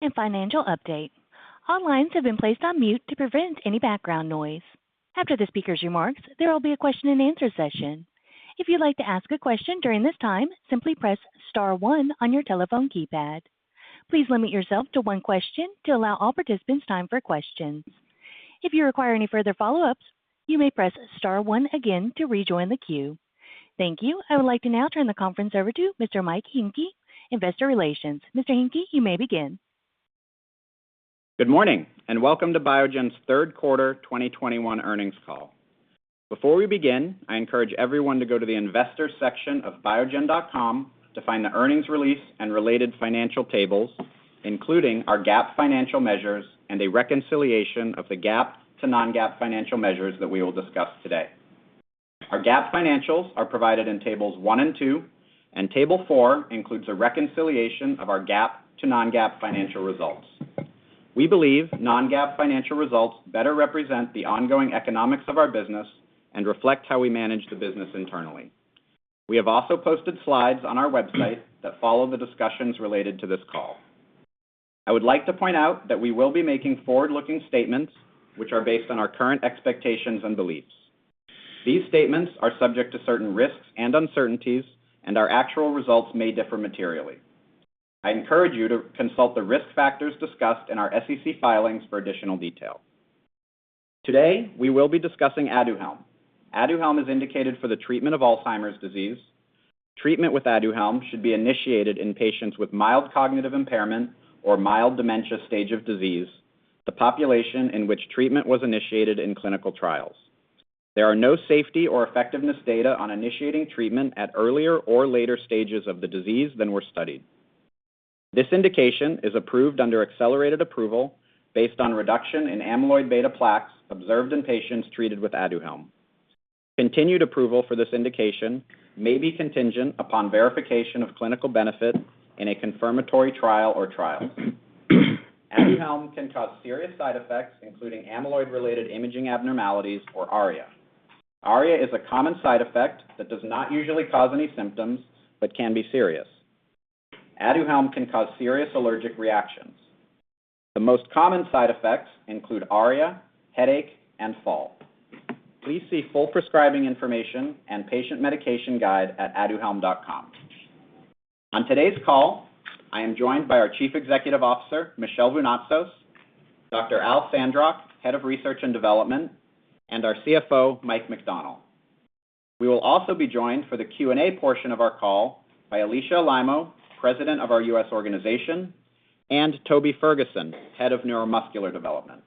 Thank you. I would like to now turn the conference over to Mr. Michael Hencke, Investor Relations. Mr. Hencke, you may begin. Good morning, and welcome to Biogen's third quarter 2021 earnings call. Before we begin, I encourage everyone to go to the Investors section of biogen.com to find the earnings release and related financial tables, including our GAAP financial measures and a reconciliation of the GAAP to non-GAAP financial measures that we will discuss today. Our GAAP financials are provided in tables one and two. Table four includes a reconciliation of our GAAP to non-GAAP financial results. We believe non-GAAP financial results better represent the ongoing economics of our business and reflect how we manage the business internally. We have also posted slides on our website that follow the discussions related to this call. I would like to point out that we will be making forward-looking statements which are based on our current expectations and beliefs. These statements are subject to certain risks and uncertainties, and our actual results may differ materially. I encourage you to consult the risk factors discussed in our SEC filings for additional detail. Today, we will be discussing ADUHELM. ADUHELM is indicated for the treatment of Alzheimer's disease. Treatment with ADUHELM should be initiated in patients with mild cognitive impairment or mild dementia stage of disease, the population in which treatment was initiated in clinical trials. There are no safety or effectiveness data on initiating treatment at earlier or later stages of the disease than were studied. This indication is approved under accelerated approval based on reduction in amyloid beta plaques observed in patients treated with ADUHELM. Continued approval for this indication may be contingent upon verification of clinical benefit in a confirmatory trial or trials. ADUHELM can cause serious side effects, including amyloid-related imaging abnormalities, or ARIA. ARIA is a common side effect that does not usually cause any symptoms but can be serious. ADUHELM can cause serious allergic reactions. The most common side effects include ARIA, headache, and fall. Please see full prescribing information and patient medication guide at aduhelm.com. On today's call, I am joined by our Chief Executive Officer, Michel Vounatsos, Dr. Alfred Sandrock, Head of Research and Development, and our CFO, Michael McDonnell. We will also be joined for the Q&A portion of our call by Alisha Alaimo, President of our U.S. organization, and Toby Ferguson, Head of Neuromuscular Development.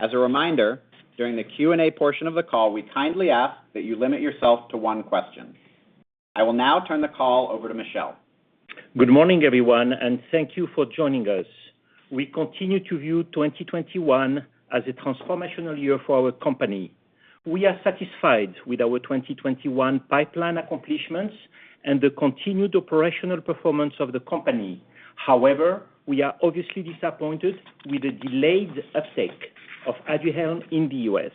As a reminder, during the Q&A portion of the call, we kindly ask that you limit yourself to one question. I will now turn the call over to Michel. Good morning, everyone, and thank you for joining us. We continue to view 2021 as a transformational year for our company. We are satisfied with our 2021 pipeline accomplishments and the continued operational performance of the company. However, we are obviously disappointed with the delayed uptake of ADUHELM in the U.S.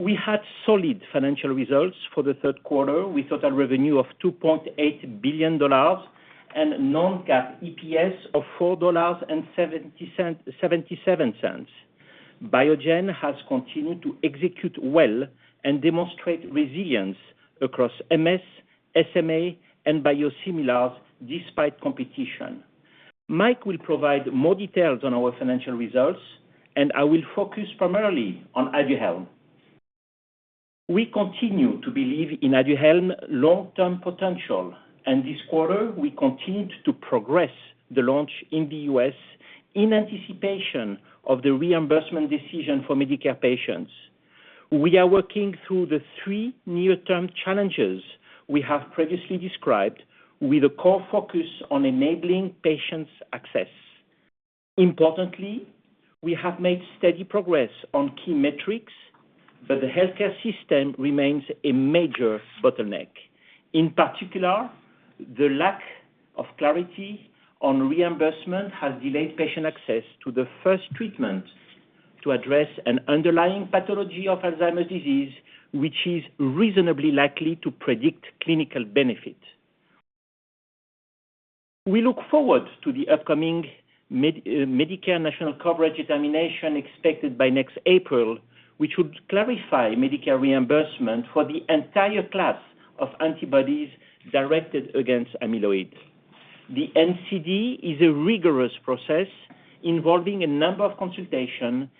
We had solid financial results for the third quarter with total revenue of $2.8 billion and non-GAAP EPS of $4.77. Biogen has continued to execute well and demonstrate resilience across MS, SMA, and biosimilars despite competition. Mike will provide more details on our financial results, and I will focus primarily on ADUHELM. We continue to believe in ADUHELM long-term potential, and this quarter we continued to progress the launch in the U.S. in anticipation of the reimbursement decision for Medicare patients. We are working through the three near-term challenges we have previously described with a core focus on enabling patients access. Importantly, we have made steady progress on key metrics. The healthcare system remains a major bottleneck. In particular, the lack of clarity on reimbursement has delayed patient access to the first treatment to address an underlying pathology of Alzheimer's disease, which is reasonably likely to predict clinical benefit. We look forward to the upcoming Medicare National Coverage Determination expected by next April, which would clarify Medicare reimbursement for the entire class of antibodies directed against amyloid. The NCD is a rigorous process involving a number of consultation.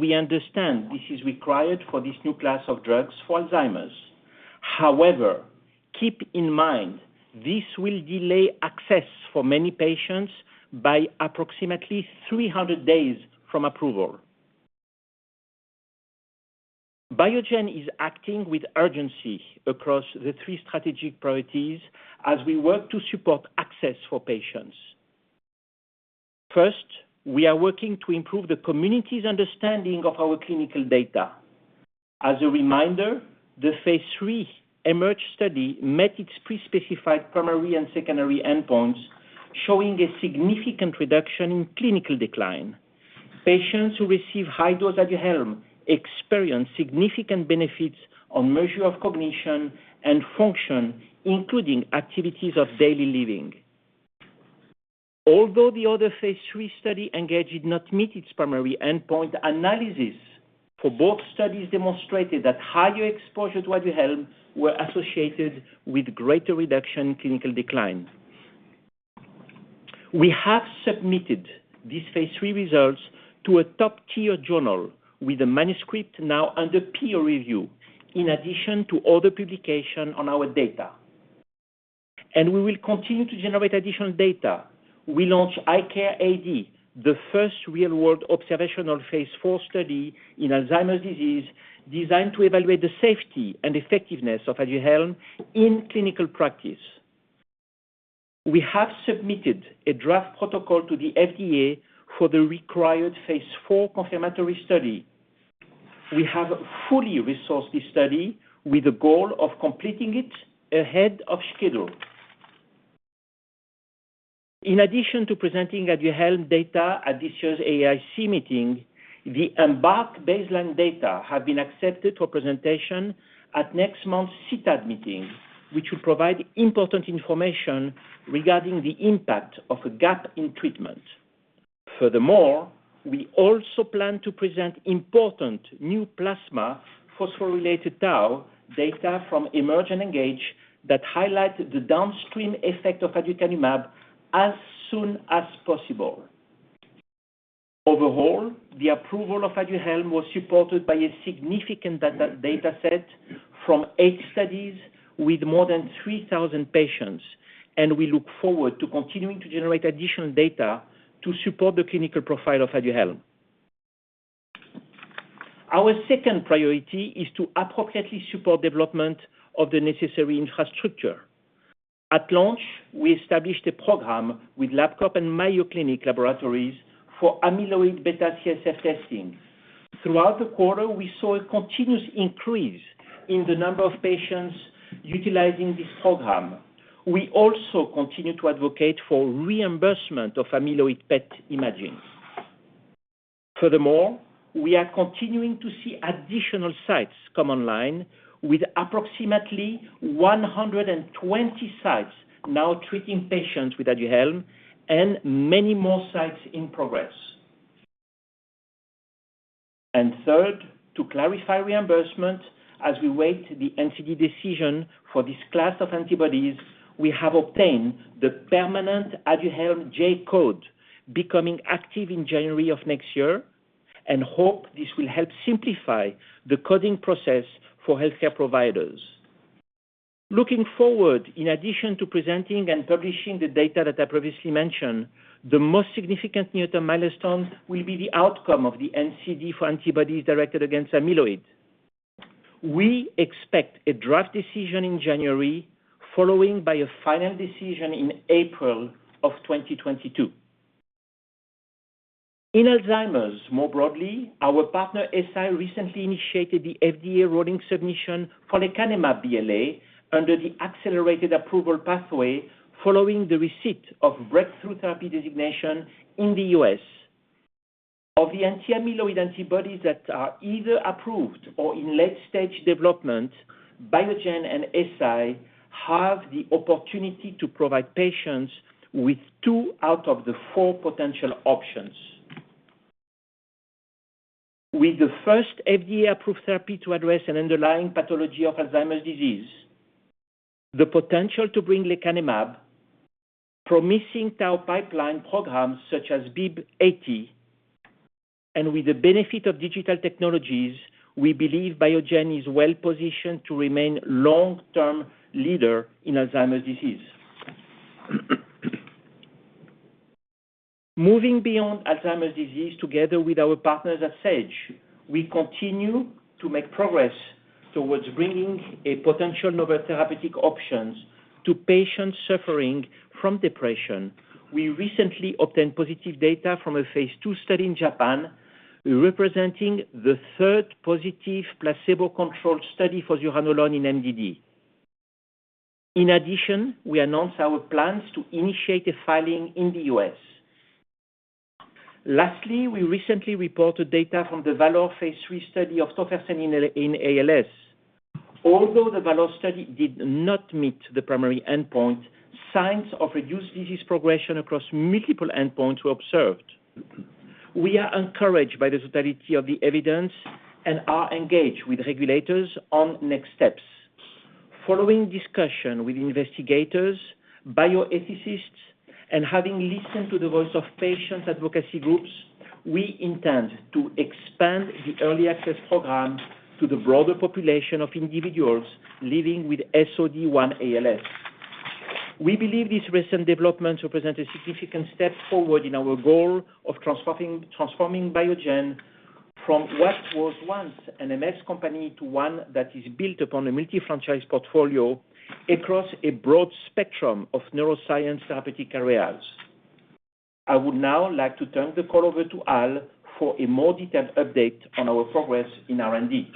We understand this is required for this new class of drugs for Alzheimer's. However, keep in mind, this will delay access for many patients by approximately 300 days from approval. Biogen is acting with urgency across the three strategic priorities as we work to support access for patients. First, we are working to improve the community's understanding of our clinical data. As a reminder, the phase III EMERGE study met its pre-specified primary and secondary endpoints, showing a significant reduction in clinical decline. Patients who receive high dose Aduhelm experience significant benefits on measure of cognition and function, including activities of daily living. Although the other phase III study ENGAGE did not meet its primary endpoint, analysis for both studies demonstrated that higher exposure to Aduhelm were associated with greater reduction in clinical decline. We have submitted these phase III results to a top-tier journal with a manuscript now under peer review, in addition to other publication on our data. We will continue to generate additional data. We launched ICARE AD-US, the first real-world observational phase IV study in Alzheimer's disease designed to evaluate the safety and effectiveness of ADUHELM in clinical practice. We have submitted a draft protocol to the FDA for the required phase IV confirmatory study. We have fully resourced this study with the goal of completing it ahead of schedule. In addition to presenting ADUHELM data at this year's AAIC meeting, the EMBARK baseline data have been accepted for presentation at next month's CTAD meeting, which will provide important information regarding the impact of a gap in treatment. Furthermore, we also plan to present important new plasma phosphorylated tau data from EMERGE and ENGAGE that highlight the downstream effect of aducanumab as soon as possible. Overall, the approval of ADUHELM was supported by a significant data set from eight studies with more than 3,000 patients. We look forward to continuing to generate additional data to support the clinical profile of ADUHELM. Our second priority is to appropriately support development of the necessary infrastructure. At launch, we established a program with Labcorp and Mayo Clinic laboratories for amyloid beta CSF testing. Throughout the quarter, we saw a continuous increase in the number of patients utilizing this program. We also continue to advocate for reimbursement of amyloid PET imaging. We are continuing to see additional sites come online with approximately 120 sites now treating patients with ADUHELM and many more sites in progress. Third, to clarify reimbursement as we wait the NCD decision for this class of antibodies, we have obtained the permanent ADUHELM J-code becoming active in January 2022 and hope this will help simplify the coding process for healthcare providers. Looking forward, in addition to presenting and publishing the data that I previously mentioned, the most significant near-term milestone will be the outcome of the NCD for antibodies directed against amyloid. We expect a draft decision in January, followed by a final decision in April 2022. In Alzheimer's, more broadly, our partner, Eisai, recently initiated the FDA rolling submission for lecanemab BLA under the accelerated approval pathway following the receipt of breakthrough therapy designation in the U.S. Of the anti-amyloid antibodies that are either approved or in late-stage development, Biogen and Eisai have the opportunity to provide patients with two out of the four potential options. With the first FDA-approved therapy to address an underlying pathology of Alzheimer's disease, the potential to bring lecanemab, promising tau pipeline programs such as BIIB080, and with the benefit of digital technologies, we believe Biogen is well positioned to remain long-term leader in Alzheimer's disease. Moving beyond Alzheimer's disease, together with our partners at Sage, we continue to make progress towards bringing a potential novel therapeutic options to patients suffering from depression. We recently obtained positive data from a phase II study in Japan, representing the third positive placebo-controlled study for zuranolone in MDD. We announced our plans to initiate a filing in the U.S. We recently reported data from the VALOR phase III study of tofersen in ALS. The VALOR study did not meet the primary endpoint, signs of reduced disease progression across multiple endpoints were observed. We are encouraged by the totality of the evidence and are engaged with regulators on next steps. Following discussion with investigators, bioethicists, and having listened to the voice of patients advocacy groups, we intend to expand the early access program to the broader population of individuals living with SOD1 ALS. We believe these recent developments represent a significant step forward in our goal of transforming Biogen from what was once an MS company to one that is built upon a multi-franchise portfolio across a broad spectrum of neuroscience therapeutic areas. I would now like to turn the call over to Al for a more detailed update on our progress in R&D.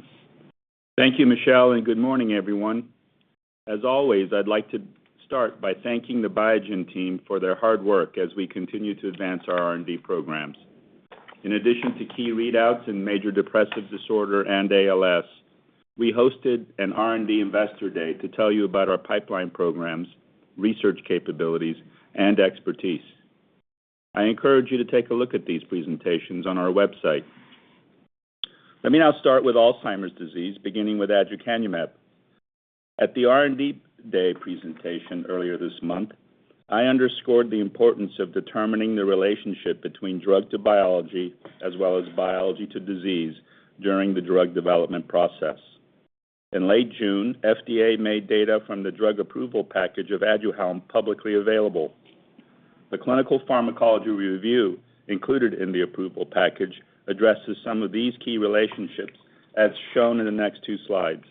Thank you, Michel, good morning, everyone. As always, I'd like to start by thanking the Biogen team for their hard work as we continue to advance our R&D programs. In addition to key readouts in major depressive disorder and ALS, we hosted an R&D Investor Day to tell you about our pipeline programs, research capabilities, and expertise. I encourage you to take a look at these presentations on our website. Let me now start with Alzheimer's disease, beginning with aducanumab. At the R&D Day presentation earlier this month, I underscored the importance of determining the relationship between drug to biology as well as biology to disease during the drug development process. In late June, FDA made data from the drug approval package of ADUHELM publicly available. The clinical pharmacology review included in the approval package addresses some of these key relationships, as shown in the next two slides.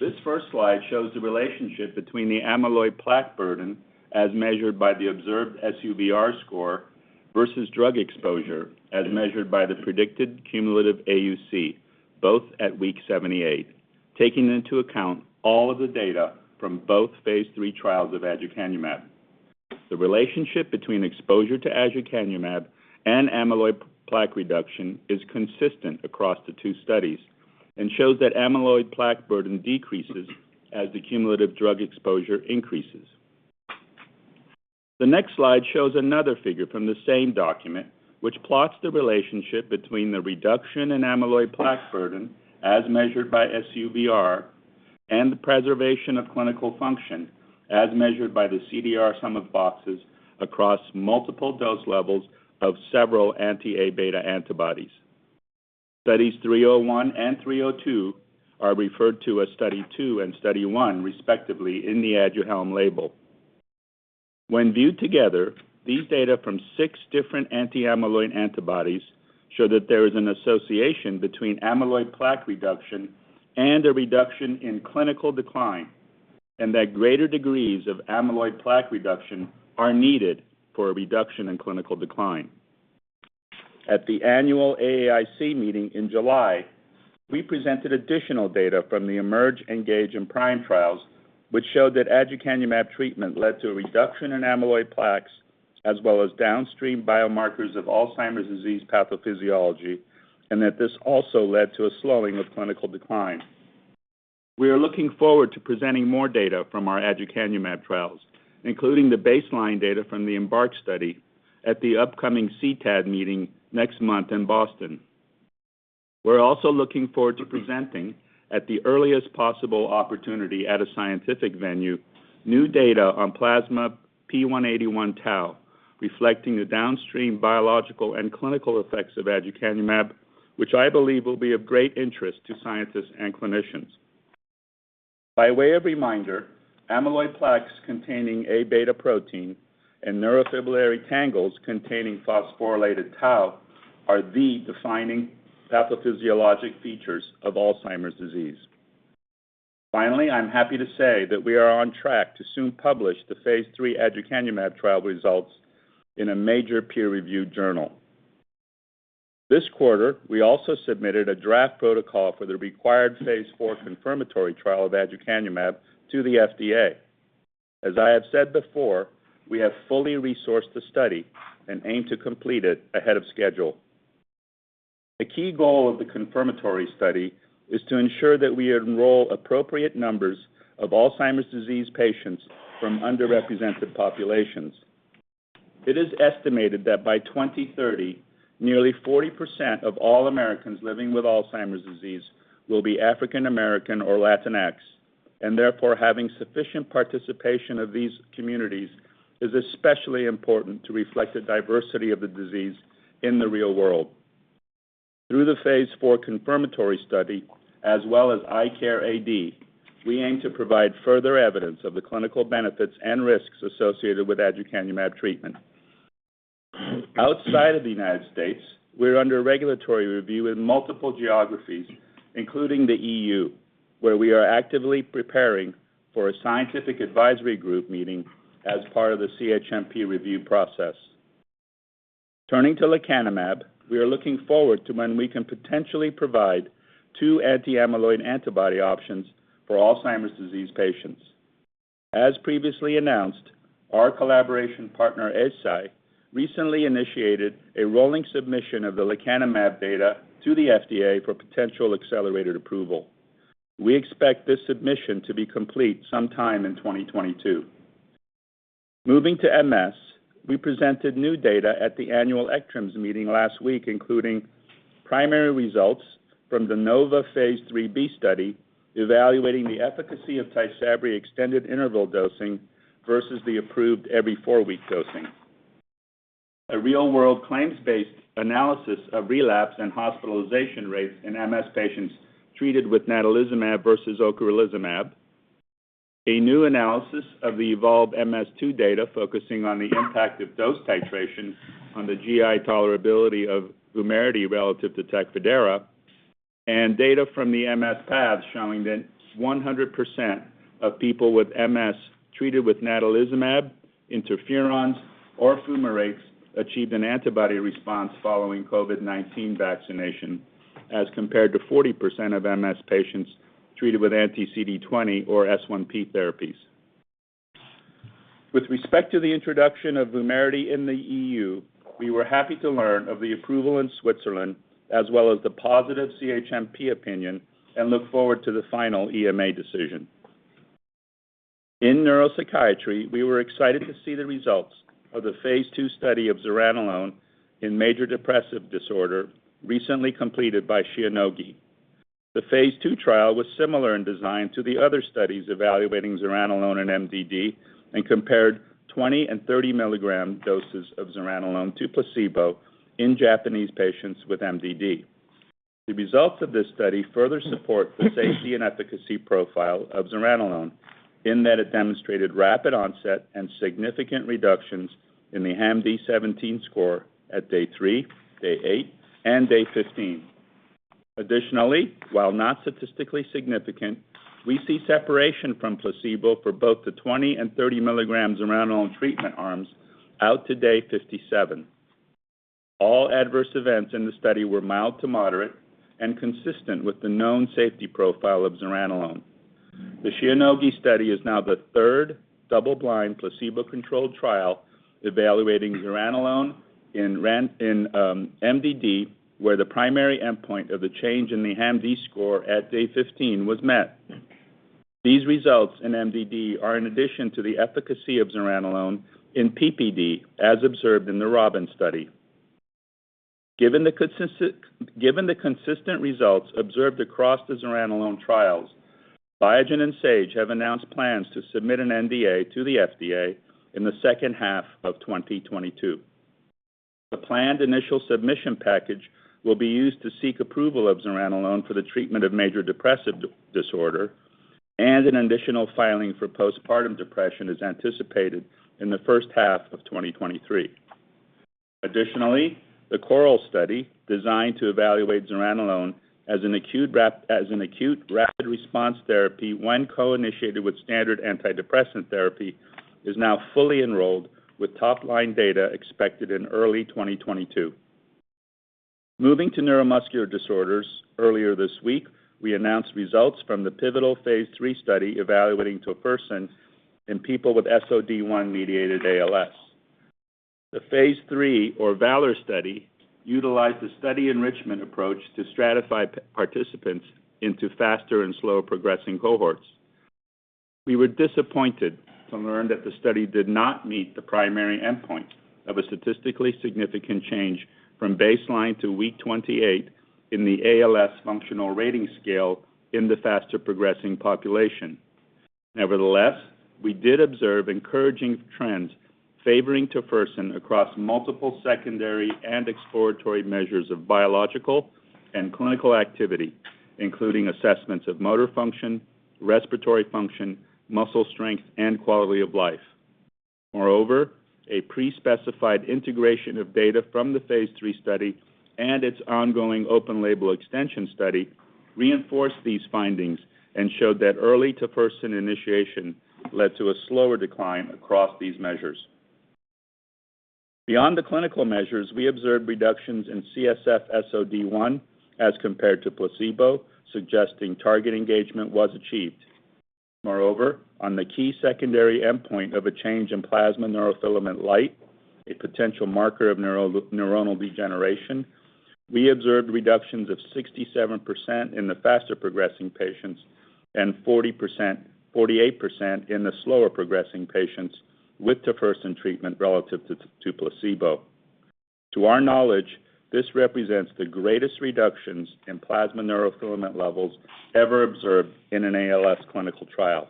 This first slide shows the relationship between the amyloid plaque burden, as measured by the observed SUVR score, versus drug exposure, as measured by the predicted cumulative AUC, both at week 78, taking into account all of the data from both phase III trials of aducanumab. The relationship between exposure to aducanumab and amyloid plaque reduction is consistent across the two studies and shows that amyloid plaque burden decreases as the cumulative drug exposure increases. The next slide shows another figure from the same document, which plots the relationship between the reduction in amyloid plaque burden, as measured by SUVR, and the preservation of clinical function, as measured by the CDR-SB across multiple dose levels of several anti-Aβ antibodies. Studies 301 and 302 are referred to as Study 2 and Study 1 respectively in the ADUHELM label. When viewed together, these data from six different anti-amyloid antibodies show that there is an association between amyloid plaque reduction and a reduction in clinical decline, and that greater degrees of amyloid plaque reduction are needed for a reduction in clinical decline. At the annual AAIC meeting in July, we presented additional data from the EMERGE, ENGAGE, and PRIME trials, which showed that aducanumab treatment led to a reduction in amyloid plaques as well as downstream biomarkers of Alzheimer's disease pathophysiology, and that this also led to a slowing of clinical decline. We are looking forward to presenting more data from our aducanumab trials, including the baseline data from the EMBARK study at the upcoming CTAD meeting next month in Boston. We're also looking forward to presenting at the earliest possible opportunity at a scientific venue new data on plasma p-tau181, reflecting the downstream biological and clinical effects of aducanumab, which I believe will be of great interest to scientists and clinicians. By way of reminder, amyloid plaques containing Aβ protein and neurofibrillary tangles containing phosphorylated tau are the defining pathophysiologic features of Alzheimer's disease. Finally, I'm happy to say that we are on track to soon publish the phase III aducanumab trial results in a major peer-reviewed journal. This quarter, we also submitted a draft protocol for the required phase IV confirmatory trial of aducanumab to the FDA. As I have said before, we have fully resourced the study and aim to complete it ahead of schedule. A key goal of the confirmatory study is to ensure that we enroll appropriate numbers of Alzheimer's disease patients from underrepresented populations. It is estimated that by 2030, nearly 40% of all Americans living with Alzheimer's disease will be African American or Latinx, and therefore, having sufficient participation of these communities is especially important to reflect the diversity of the disease in the real world. Through the phase IV confirmatory study, as well as ICARE AD, we aim to provide further evidence of the clinical benefits and risks associated with aducanumab treatment. Outside of the United States, we're under regulatory review in multiple geographies, including the EU, where we are actively preparing for a scientific advisory group meeting as part of the CHMP review process. Turning to lecanemab, we are looking forward to when we can potentially provide two anti-amyloid antibody options for Alzheimer's disease patients. As previously announced, our collaboration partner, Eisai, recently initiated a rolling submission of the lecanemab data to the FDA for potential accelerated approval. We expect this submission to be complete sometime in 2022. Moving to MS, we presented new data at the annual ECTRIMS meeting last week, including primary results from the NOVA Phase III-B study evaluating the efficacy of TYSABRI extended interval dosing versus the approved every four week dosing. A real-world claims-based analysis of relapse and hospitalization rates in MS patients treated with natalizumab versus ocrelizumab. A new analysis of the EVOLVE-MS-1 data focusing on the impact of dose titration on the GI tolerability of VUMERITY relative to TECFIDERA, and data from the MS PATHS showing that 100% of people with MS treated with natalizumab, interferons, or fumarates achieved an antibody response following COVID-19 vaccination, as compared to 40% of MS patients treated with anti-CD20 or S1P therapies. With respect to the introduction of VUMERITY in the EU, we were happy to learn of the approval in Switzerland as well as the positive CHMP opinion and look forward to the final EMA decision. In neuropsychiatry, we were excited to see the results of the phase II study of zuranolone in major depressive disorder recently completed by Shionogi. The phase II trial was similar in design to the other studies evaluating zuranolone in MDD and compared 20 and 30 mg doses of zuranolone to placebo in Japanese patients with MDD. The results of this study further support the safety and efficacy profile of zuranolone in that it demonstrated rapid onset and significant reductions in the HAM-D17 score at day 3, day 8, and day 15. Additionally, while not statistically significant, we see separation from placebo for both the 20 and 30 mg zuranolone treatment arms out to day 57. All adverse events in the study were mild to moderate and consistent with the known safety profile of zuranolone. The Shionogi study is now the third double-blind placebo-controlled trial evaluating zuranolone in MDD, where the primary endpoint of the change in the HAM-D score at day 15 was met. These results in MDD are in addition to the efficacy of zuranolone in PPD, as observed in the ROBIN study. Given the consistent results observed across the zuranolone trials, Biogen and Sage have announced plans to submit an NDA to the FDA in the second half of 2022. The planned initial submission package will be used to seek approval of zuranolone for the treatment of major depressive disorder, and an additional filing for postpartum depression is anticipated in the first half of 2023. The CORAL study, designed to evaluate zuranolone as an acute rapid response therapy when co-initiated with standard antidepressant therapy, is now fully enrolled with top-line data expected in early 2022. Earlier this week, we announced results from the pivotal Phase III study evaluating tofersen in people with SOD1-mediated ALS. The Phase III, or VALOR study, utilized a study enrichment approach to stratify participants into faster and slower progressing cohorts. We were disappointed to learn that the study did not meet the primary endpoint of a statistically significant change from baseline to week 28 in the ALS functional rating scale in the faster progressing population. We did observe encouraging trends favoring tofersen across multiple secondary and exploratory measures of biological and clinical activity, including assessments of motor function, respiratory function, muscle strength, and quality of life. A pre-specified integration of data from the phase III study and its ongoing open label extension study reinforced these findings and showed that early tofersen initiation led to a slower decline across these measures. Beyond the clinical measures, we observed reductions in CSF SOD1 as compared to placebo, suggesting target engagement was achieved. On the key secondary endpoint of a change in plasma neurofilament light, a potential marker of neuronal degeneration, we observed reductions of 67% in the faster progressing patients and 48% in the slower progressing patients with tofersen treatment relative to placebo. To our knowledge, this represents the greatest reductions in plasma neurofilament levels ever observed in an ALS clinical trial.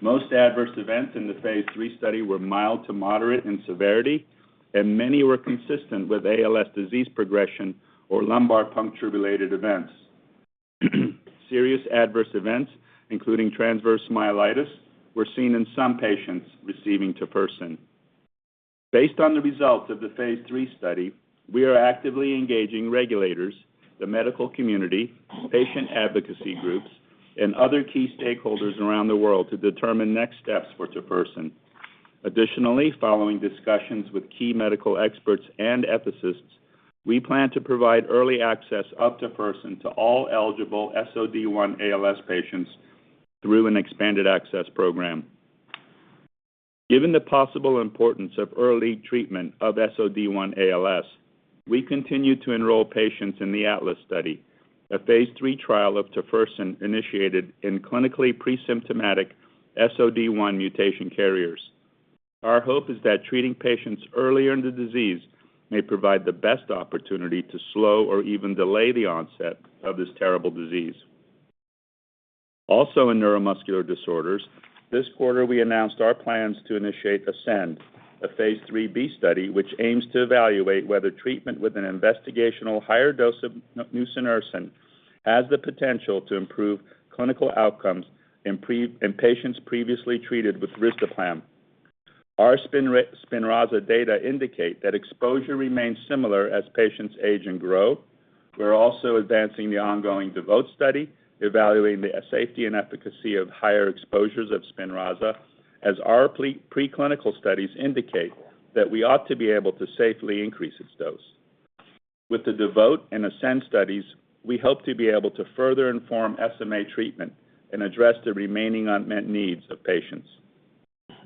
Most adverse events in the phase III study were mild to moderate in severity, and many were consistent with ALS disease progression or lumbar puncture-related events. Serious adverse events, including transverse myelitis, were seen in some patients receiving tofersen. Based on the results of the phase III study, we are actively engaging regulators, the medical community, patient advocacy groups, and other key stakeholders around the world to determine next steps for tofersen. Additionally, following discussions with key medical experts and ethicists, we plan to provide early access of tofersen to all eligible SOD1 ALS patients through an expanded access program. Given the possible importance of early treatment of SOD1 ALS, we continue to enroll patients in the ATLAS study, a phase III trial of tofersen initiated in clinically pre-symptomatic SOD1 mutation carriers. Our hope is that treating patients early in the disease may provide the best opportunity to slow or even delay the onset of this terrible disease. Also in neuromuscular disorders, this quarter we announced our plans to initiate ASCEND, a phase IIIb study, which aims to evaluate whether treatment with an investigational higher dose of nusinersen has the potential to improve clinical outcomes in patients previously treated with risdiplam. Our SPINRAZA data indicate that exposure remains similar as patients age and grow. We're also advancing the ongoing DEVOTE study, evaluating the safety and efficacy of higher exposures of SPINRAZA, as our preclinical studies indicate that we ought to be able to safely increase its dose. With the DEVOTE and ASCEND studies, we hope to be able to further inform SMA treatment and address the remaining unmet needs of patients.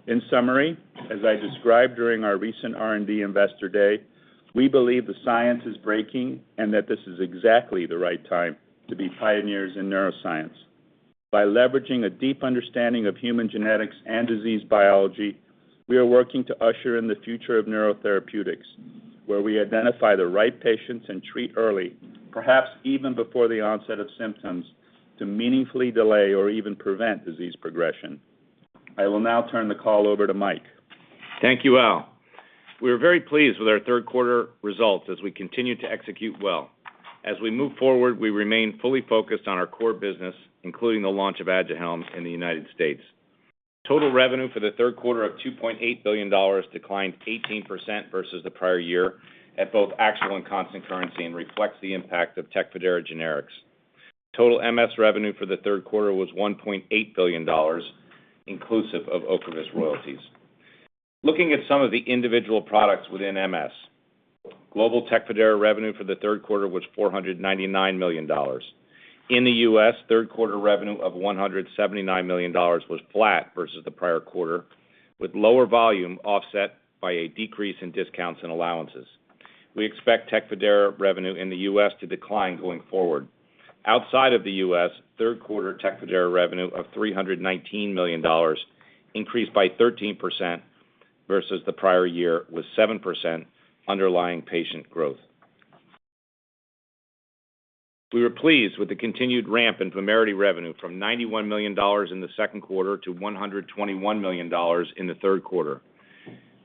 In summary, as I described during our recent R&D Investor Day, we believe the science is breaking and that this is exactly the right time to be pioneers in neuroscience. By leveraging a deep understanding of human genetics and disease biology, we are working to usher in the future of neurotherapeutics, where we identify the right patients and treat early, perhaps even before the onset of symptoms, to meaningfully delay or even prevent disease progression. I will now turn the call over to Mike. Thank you, Al. We are very pleased with our third quarter results as we continue to execute well. As we move forward, we remain fully focused on our core business, including the launch of ADUHELM in the U.S. Total revenue for the third quarter of $2.8 billion declined 18% versus the prior year at both actual and constant currency and reflects the impact of TECFIDERA generics. Total MS revenue for the third quarter was $1.8 billion, inclusive of OCREVUS royalties. Looking at some of the individual products within MS, global TECFIDERA revenue for the third quarter was $499 million. In the U.S., third quarter revenue of $179 million was flat versus the prior quarter, with lower volume offset by a decrease in discounts and allowances. We expect TECFIDERA revenue in the U.S. to decline going forward. Outside of the U.S., third quarter TECFIDERA revenue of $319 million increased by 13% versus the prior year, with 7% underlying patient growth. We were pleased with the continued ramp in VUMERITY revenue from $91 million in the second quarter to $121 million in the third quarter.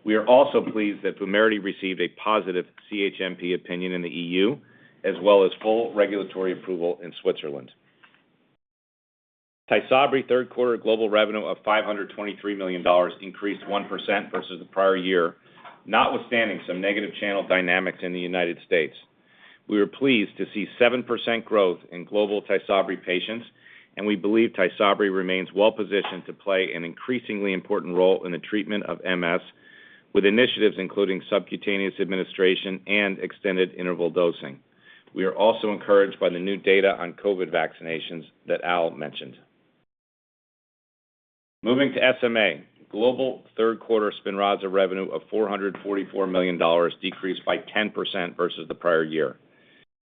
We are also pleased that VUMERITY received a positive CHMP opinion in the E.U., as well as full regulatory approval in Switzerland. TYSABRI third quarter global revenue of $523 million increased 1% versus the prior year, notwithstanding some negative channel dynamics in the U.S. We were pleased to see 7% growth in global TYSABRI patients, and we believe TYSABRI remains well-positioned to play an increasingly important role in the treatment of MS, with initiatives including subcutaneous administration and extended interval dosing. We are also encouraged by the new data on COVID vaccinations that Al mentioned. Moving to SMA. Global third quarter SPINRAZA revenue of $444 million decreased by 10% versus the prior year.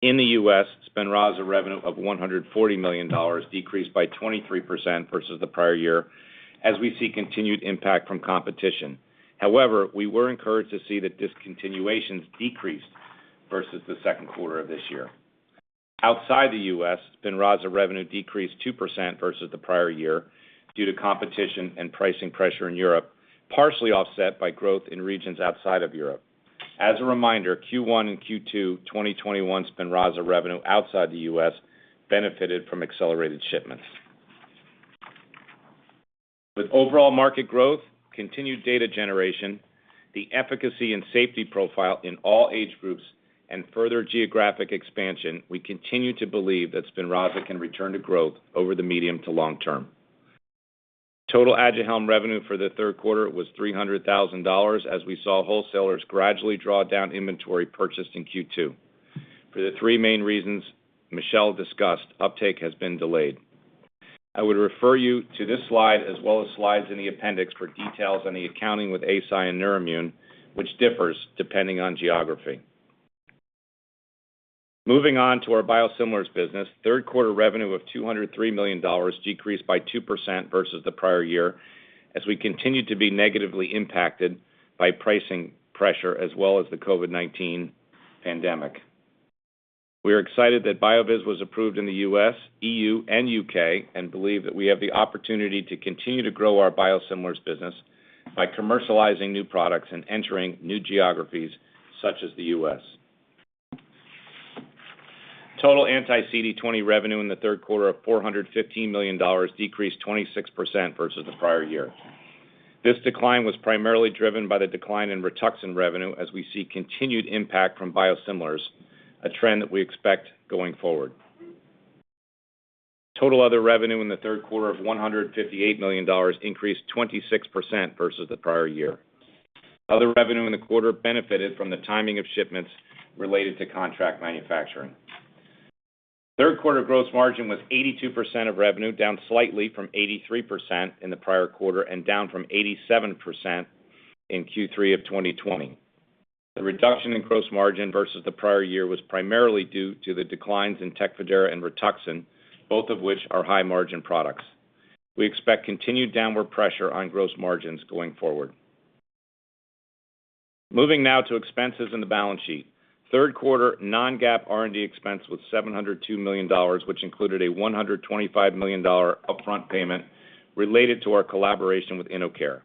In the U.S., SPINRAZA revenue of $140 million decreased by 23% versus the prior year, as we see continued impact from competition. We were encouraged to see that discontinuations decreased versus the second quarter of this year. Outside the U.S., SPINRAZA revenue decreased 2% versus the prior year due to competition and pricing pressure in Europe, partially offset by growth in regions outside of Europe. As a reminder, Q1 and Q2 2021 SPINRAZA revenue outside the U.S. benefited from accelerated shipments. With overall market growth, continued data generation, the efficacy and safety profile in all age groups, and further geographic expansion, we continue to believe that SPINRAZA can return to growth over the medium to long term. Total ADUHELM revenue for the 3rd quarter was $300,000 as we saw wholesalers gradually draw down inventory purchased in Q2. For the three main reasons Michel discussed, uptake has been delayed. I would refer you to this slide as well as slides in the appendix for details on the accounting with Eisai and Neurimmune, which differs depending on geography. Moving on to our biosimilars business, 3rd quarter revenue of $203 million decreased by 2% versus the prior year, as we continue to be negatively impacted by pricing pressure as well as the COVID-19 pandemic. We are excited that BYOOVIZ was approved in the U.S., EU, and U.K., believe that we have the opportunity to continue to grow our biosimilars business by commercializing new products and entering new geographies such as the U.S. Total anti-CD20 revenue in the 3rd quarter of $415 million decreased 26% versus the prior year. This decline was primarily driven by the decline in Rituxan revenue as we see continued impact from biosimilars, a trend that we expect going forward. Total other revenue in the third quarter of $158 million increased 26% versus the prior year. Other revenue in the quarter benefited from the timing of shipments related to contract manufacturing. Third quarter gross margin was 82% of revenue, down slightly from 83% in the prior quarter and down from 87% in Q3 of 2020. The reduction in gross margin versus the prior year was primarily due to the declines in Tecfidera and Rituxan, both of which are high-margin products. We expect continued downward pressure on gross margins going forward. Moving now to expenses and the balance sheet. Third quarter non-GAAP R&D expense was $702 million, which included a $125 million upfront payment related to our collaboration with InnoCare.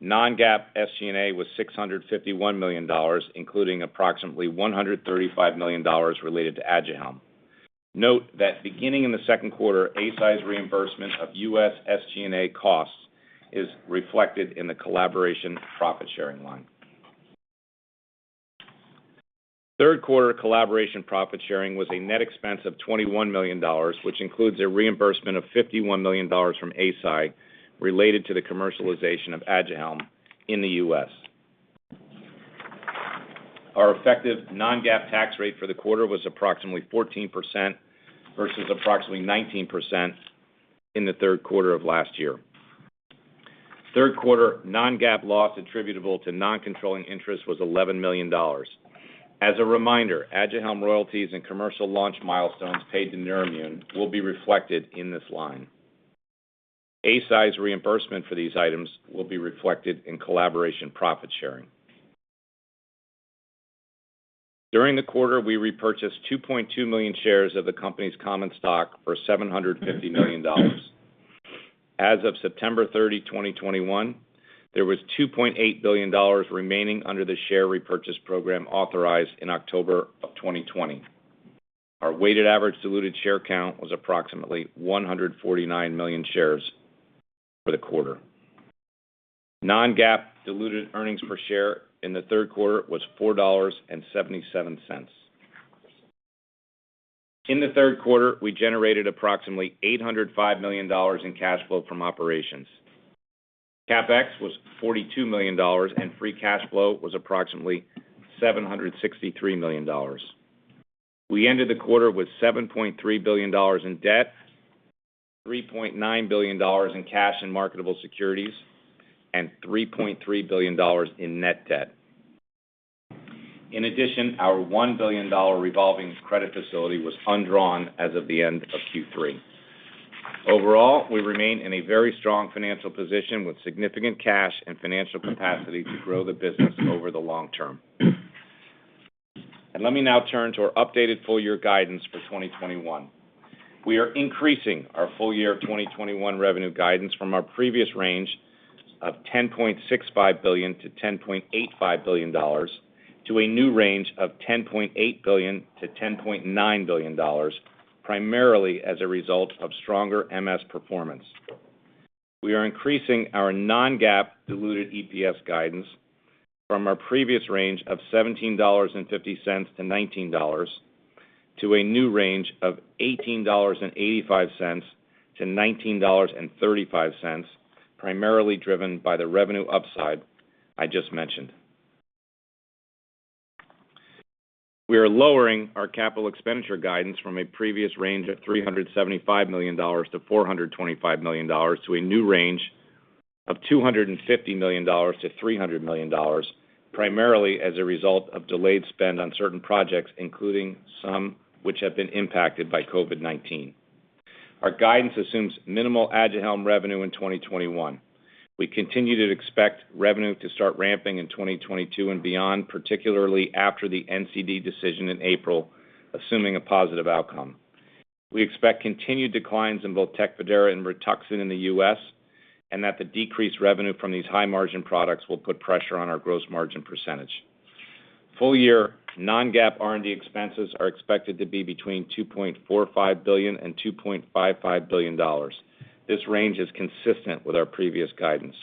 Non-GAAP SG&A was $651 million, including approximately $135 million related to ADUHELM. Note that beginning in the second quarter, Eisai's reimbursement of U.S. SG&A costs is reflected in the collaboration profit sharing line. Third quarter collaboration profit sharing was a net expense of $21 million, which includes a reimbursement of $51 million from Eisai related to the commercialization of ADUHELM in the U.S. Our effective non-GAAP tax rate for the quarter was approximately 14% versus approximately 19% in the third quarter of last year. Third quarter non-GAAP loss attributable to non-controlling interest was $11 million. As a reminder, ADUHELM royalties and commercial launch milestones paid to Neurimmune will be reflected in this line. Eisai's reimbursement for these items will be reflected in collaboration profit sharing. During the quarter, we repurchased 2.2 million shares of the company's common stock for $750 million. As of September 30, 2021, there was $2.8 billion remaining under the share repurchase program authorized in October of 2020. Our weighted average diluted share count was approximately 149 million shares for the quarter. Non-GAAP diluted earnings per share in the third quarter was $4.77. In the third quarter, we generated approximately $805 million in cash flow from operations. CapEx was $42 million, and free cash flow was approximately $763 million. We ended the quarter with $7.3 billion in debt, $3.9 billion in cash and marketable securities, and $3.3 billion in net debt. In addition, our $1 billion revolving credit facility was undrawn as of the end of Q3. Overall, we remain in a very strong financial position with significant cash and financial capacity to grow the business over the long term. Let me now turn to our updated full-year guidance for 2021. We are increasing our full-year 2021 revenue guidance from our previous range of $10.65 billion-$10.85 billion, to a new range of $10.8 billion-$10.9 billion, primarily as a result of stronger MS performance. We are increasing our non-GAAP diluted EPS guidance from our previous range of $17.50-$19, to a new range of $18.85-$19.35, primarily driven by the revenue upside I just mentioned. We are lowering our capital expenditure guidance from a previous range of $375 million-$425 million, to a new range of $250 million-$300 million, primarily as a result of delayed spend on certain projects, including some which have been impacted by COVID-19. Our guidance assumes minimal ADUHELM revenue in 2021. We continue to expect revenue to start ramping in 2022 and beyond, particularly after the NCD decision in April, assuming a positive outcome. We expect continued declines in both TECFIDERA and RITUXAN in the U.S., and that the decreased revenue from these high-margin products will put pressure on our gross margin percentage. Full-year non-GAAP R&D expenses are expected to be between $2.45 billion and $2.55 billion. This range is consistent with our previous guidance.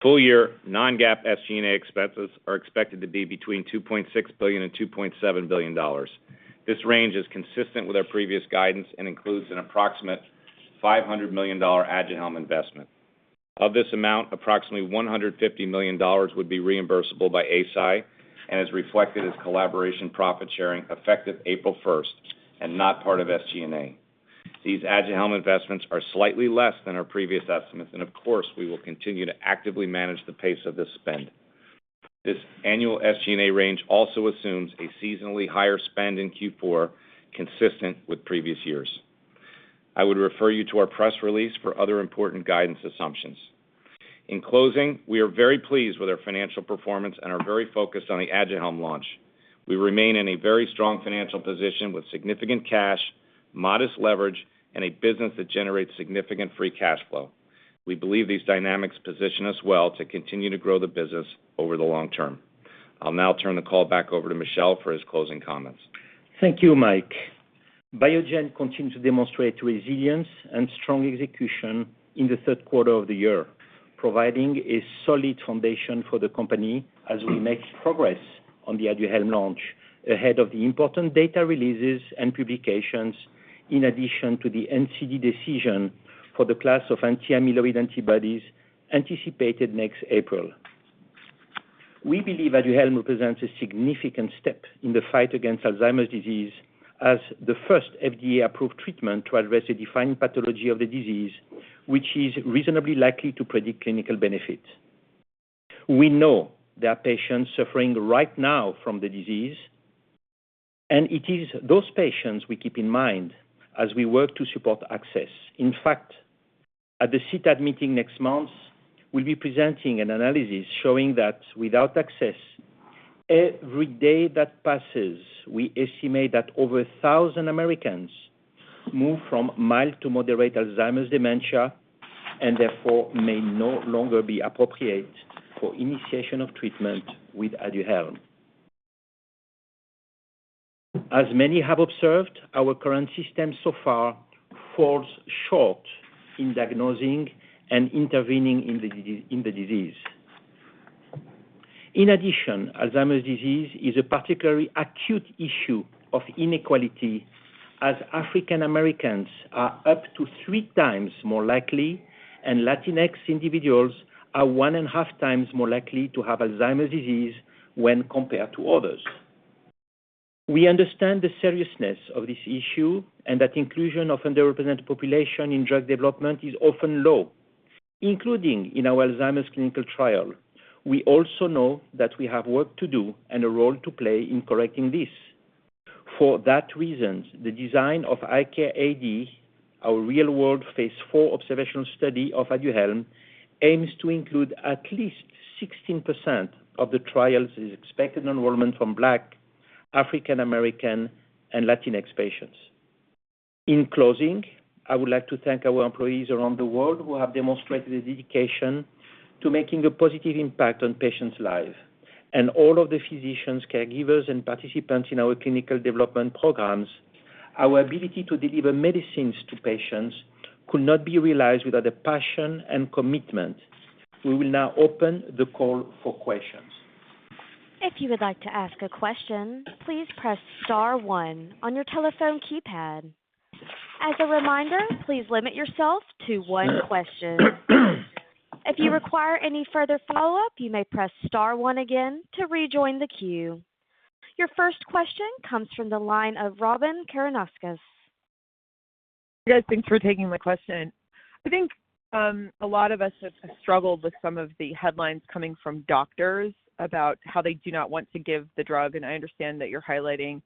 Full-year non-GAAP SG&A expenses are expected to be between $2.6 billion and $2.7 billion. This range is consistent with our previous guidance and includes an approximate $500 million ADUHELM investment. Of this amount, approximately $150 million would be reimbursable by Eisai and is reflected as collaboration profit sharing effective April 1st and not part of SG&A. These ADUHELM investments are slightly less than our previous estimates, and of course, we will continue to actively manage the pace of this spend. This annual SG&A range also assumes a seasonally higher spend in Q4 consistent with previous years. I would refer you to our press release for other important guidance assumptions. In closing, we are very pleased with our financial performance and are very focused on the ADUHELM launch. We remain in a very strong financial position with significant cash, modest leverage, and a business that generates significant free cash flow. We believe these dynamics position us well to continue to grow the business over the long term. I'll now turn the call back over to Michel for his closing comments. Thank you, Mike. Biogen continued to demonstrate resilience and strong execution in the third quarter of the year, providing a solid foundation for the company as we make progress on the ADUHELM launch ahead of the important data releases and publications, in addition to the NCD decision for the class of anti-amyloid antibodies anticipated next April. We believe ADUHELM represents a significant step in the fight against Alzheimer's disease as the first FDA-approved treatment to address the defined pathology of the disease, which is reasonably likely to predict clinical benefit. We know there are patients suffering right now from the disease, and it is those patients we keep in mind as we work to support access. In fact, at the CTAD meeting next month, we'll be presenting an analysis showing that without access, every day that passes, we estimate that over 1,000 Americans move from mild to moderate Alzheimer's dementia, and therefore may no longer be appropriate for initiation of treatment with ADUHELM. As many have observed, our current system so far falls short in diagnosing and intervening in the disease. In addition, Alzheimer's disease is a particularly acute issue of inequality, as African Americans are up to three times more likely, and Latinx individuals are one and a half times more likely to have Alzheimer's disease when compared to others. We understand the seriousness of this issue, that inclusion of underrepresented population in drug development is often low, including in our Alzheimer's clinical trial. We also know that we have work to do and a role to play in correcting this. For that reason, the design of ICAR AD, our real world phase IV observational study of ADUHELM, aims to include at least 16% of the trial's expected enrollment from Black, African American, and Latinx patients. In closing, I would like to thank our employees around the world who have demonstrated a dedication to making a positive impact on patients' lives. All of the physicians, caregivers, and participants in our clinical development programs. Our ability to deliver medicines to patients could not be realized without the passion and commitment. We will now open the call for questions. If you would like to ask a question, please press star one on your telephone keypad, as a reminder please limit yourself to one question. If you require any further follow up, you may press star one again to rejoin the queue. Your first question comes from the line of Robyn Karnauskas. Yes, thanks for taking my question. I think a lot of us have struggled with some of the headlines coming from doctors about how they do not want to give the drug. I understand that you're highlighting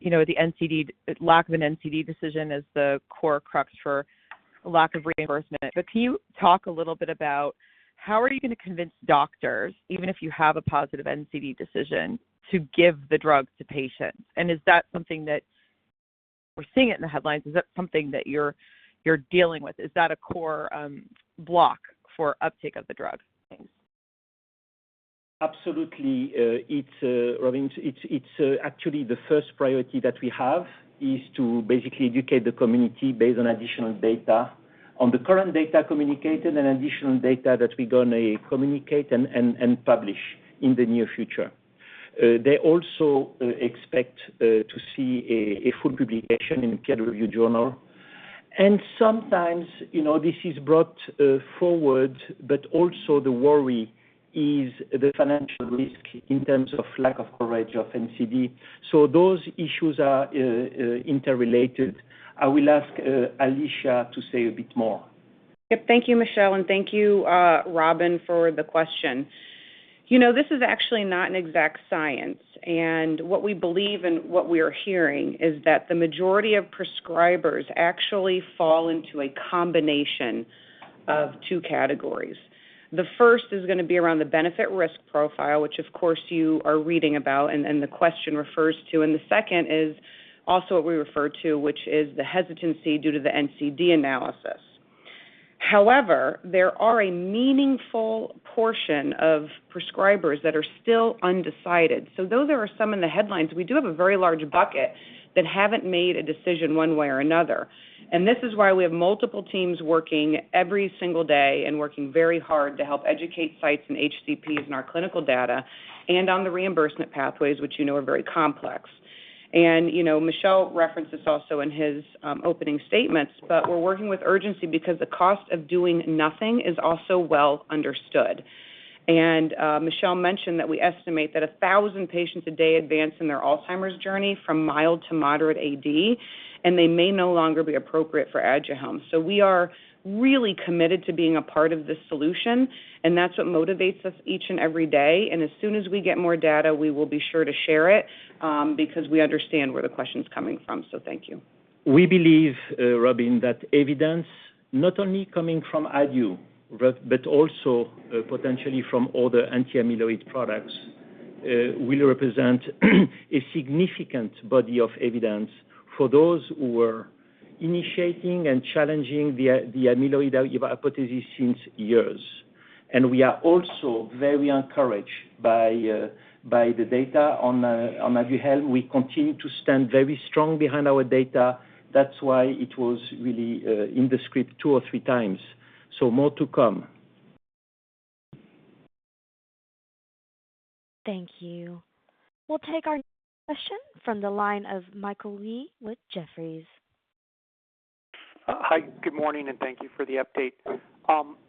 the lack of an NCD decision as the core crux for lack of reimbursement. Can you talk a little bit about how are you going to convince doctors, even if you have a positive NCD decision, to give the drug to patients? We're seeing it in the headlines, is that something that you're dealing with? Is that a core block for uptake of the drug? Thanks. Absolutely. Robyn, it's actually the first priority that we have, is to basically educate the community based on additional data on the current data communicated and additional data that we're going to communicate and publish in the near future. They also expect to see a full publication in a peer review journal. Sometimes this is brought forward, but also the worry is the financial risk in terms of lack of coverage of NCD. Those issues are interrelated. I will ask Alisha to say a bit more. Yep. Thank you, Michel, and thank you, Robyn, for the question. This is actually not an exact science. What we believe and what we are hearing is that the majority of prescribers actually fall into a combination of two categories. The 1st is going to be around the benefit risk profile, which of course, you are reading about, and the question refers to. The 2nd is also what we refer to, which is the hesitancy due to the NCD analysis. However, there are a meaningful portion of prescribers that are still undecided. Though there are some in the headlines, we do have a very large bucket that haven't made a decision one way or another. This is why we have multiple teams working every single day and working very hard to help educate sites and HCPs in our clinical data and on the reimbursement pathways, which you know are very complex. Michel referenced this also in his opening statements, we're working with urgency because the cost of doing nothing is also well understood. Michel mentioned that we estimate that 1,000 patients a day advance in their Alzheimer's journey from mild to moderate AD, and they may no longer be appropriate for ADUHELM. We are really committed to being a part of the solution, and that's what motivates us each and every day. As soon as we get more data, we will be sure to share it, because we understand where the question's coming from. Thank you. We believe, Robyn, that evidence not only coming from Adu, but also potentially from other anti-amyloid products, will represent a significant body of evidence for those who are initiating and challenging the amyloid hypothesis since years. We are also very encouraged by the data on ADUHELM. We continue to stand very strong behind our data. That's why it was really in the script two or three times. More to come. Thank you. We'll take our next question from the line of Michael Yee with Jefferies. Hi, good morning, thank you for the update.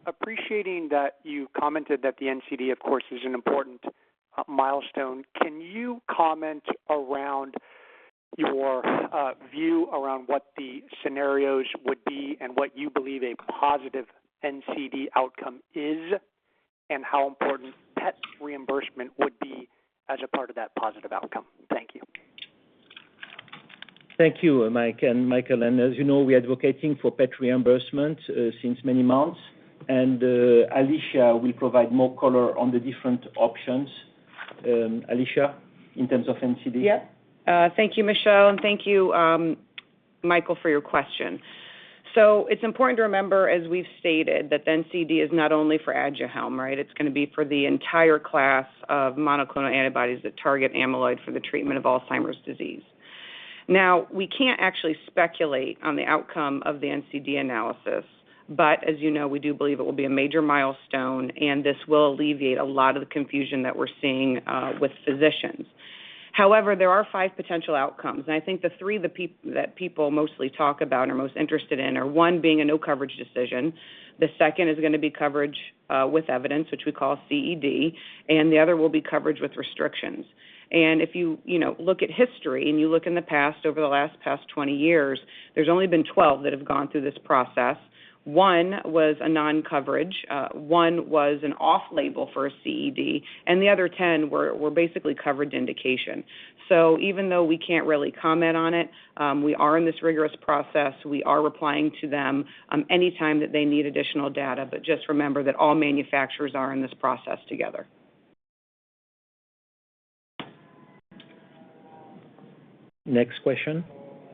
Appreciating that you commented that the NCD, of course, is an important milestone, can you comment around your view around what the scenarios would be and what you believe a positive NCD outcome is? How important PET reimbursement would be as a part of that positive outcome? Thank you. Thank you, Mike and Michael. As you know, we're advocating for PET reimbursement since many months. Alisha will provide more color on the different options, Alisha, in terms of NCD? Thank you, Michel, and thank you, Michael, for your question. It's important to remember, as we've stated, that the NCD is not only for ADUHELM. It's going to be for the entire class of monoclonal antibodies that target amyloid for the treatment of Alzheimer's disease. We can't actually speculate on the outcome of the NCD analysis, but as you know, we do believe it will be a major milestone, and this will alleviate a lot of the confusion that we're seeing with physicians. There are five potential outcomes, and I think the three that people mostly talk about or are most interested in are, one being a no coverage decision, the second is going to be coverage with evidence, which we call CED, and the other will be coverage with restrictions. If you look at history and you look in the past over the last past 20 years, there's only been 12 that have gone through this process. One was a non-coverage, one was an off-label for a CED, and the other 10 were basically covered indication. Even though we can't really comment on it, we are in this rigorous process. We are replying to them anytime that they need additional data. Just remember that all manufacturers are in this process together. Next question.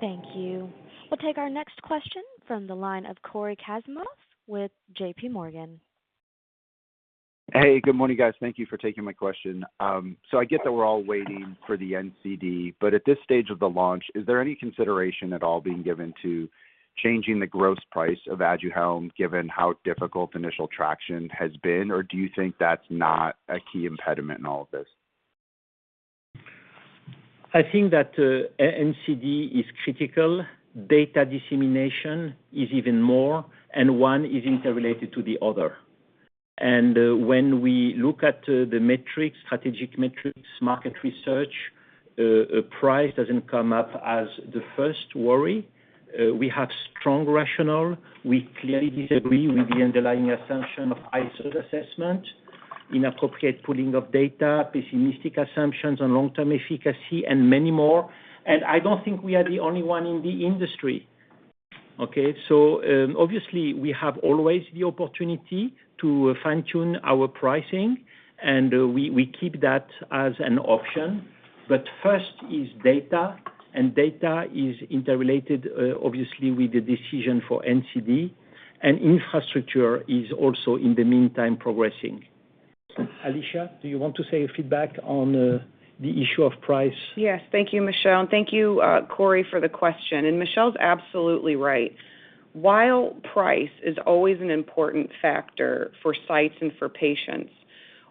Thank you. We'll take our next question from the line of Cory Kasimov with JPMorgan. Good morning, guys. Thank you for taking my question. I get that we're all waiting for the NCD, at this stage of the launch, is there any consideration at all being given to changing the gross price of ADUHELM, given how difficult initial traction has been? Do you think that's not a key impediment in all of this? I think that NCD is critical. Data dissemination is even more. One is interrelated to the other. When we look at the strategic metrics, market research, price doesn't come up as the first worry. We have strong rationale. We clearly disagree with the underlying assumption of ICER assessment, inappropriate pooling of data, pessimistic assumptions on long-term efficacy, and many more. I don't think we are the only one in the industry. Obviously, we have always the opportunity to fine-tune our pricing, and we keep that as an option. First is data, and data is interrelated, obviously, with the decision for NCD. Infrastructure is also, in the meantime, progressing. Alisha, do you want to say feedback on the issue of price? Yes. Thank you, Michel, and thank you, Cory, for the question. Michel is absolutely right. While price is always an important factor for sites and for patients,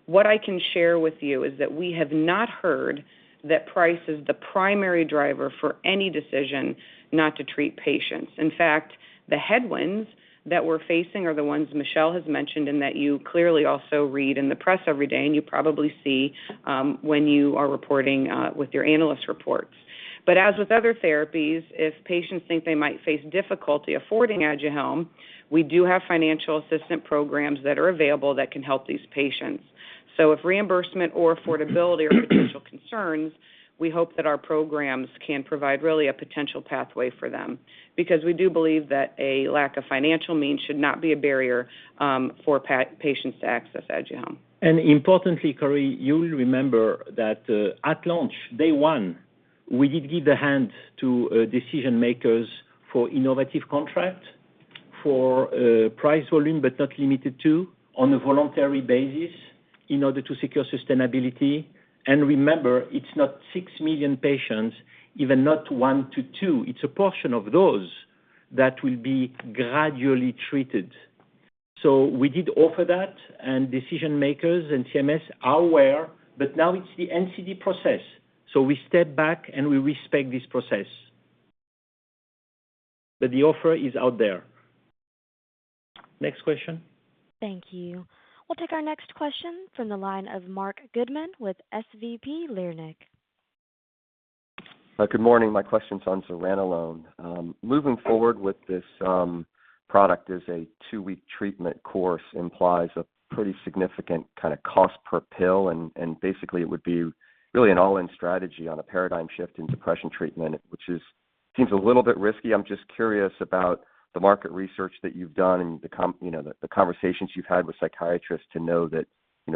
what I can share with you is that we have not heard that price is the primary driver for any decision not to treat patients. In fact, the headwinds that we're facing are the ones Michel has mentioned and that you clearly also read in the press every day and you probably see when you are reporting with your analyst reports. As with other therapies, if patients think they might face difficulty affording ADUHELM, we do have financial assistance programs that are available that can help these patients. If reimbursement or affordability are potential concerns, we hope that our programs can provide really a potential pathway for them, because we do believe that a lack of financial means should not be a barrier for patients to access ADUHELM. Importantly, Cory Kasimov, you will remember that at launch, day one, we did give the hand to decision-makers for innovative contract, for price volume, but not limited to, on a voluntary basis in order to secure sustainability. Remember, it's not 6 million patients, even not one-two. It's a portion of those that will be gradually treated. We did offer that, and decision-makers and CMS are aware, but now it's the NCD process. We step back and we respect this process. The offer is out there. Next question. Thank you. We'll take our next question from the line of Marc Goodman with SVB Leerink. Good morning. My question's on zuranolone. Moving forward with this product as a two week treatment course implies a pretty significant kind of cost per pill, and basically, it would be really an all-in strategy on a paradigm shift in depression treatment, which seems a little bit risky. I'm just curious about the market research that you've done and the conversations you've had with psychiatrists to know that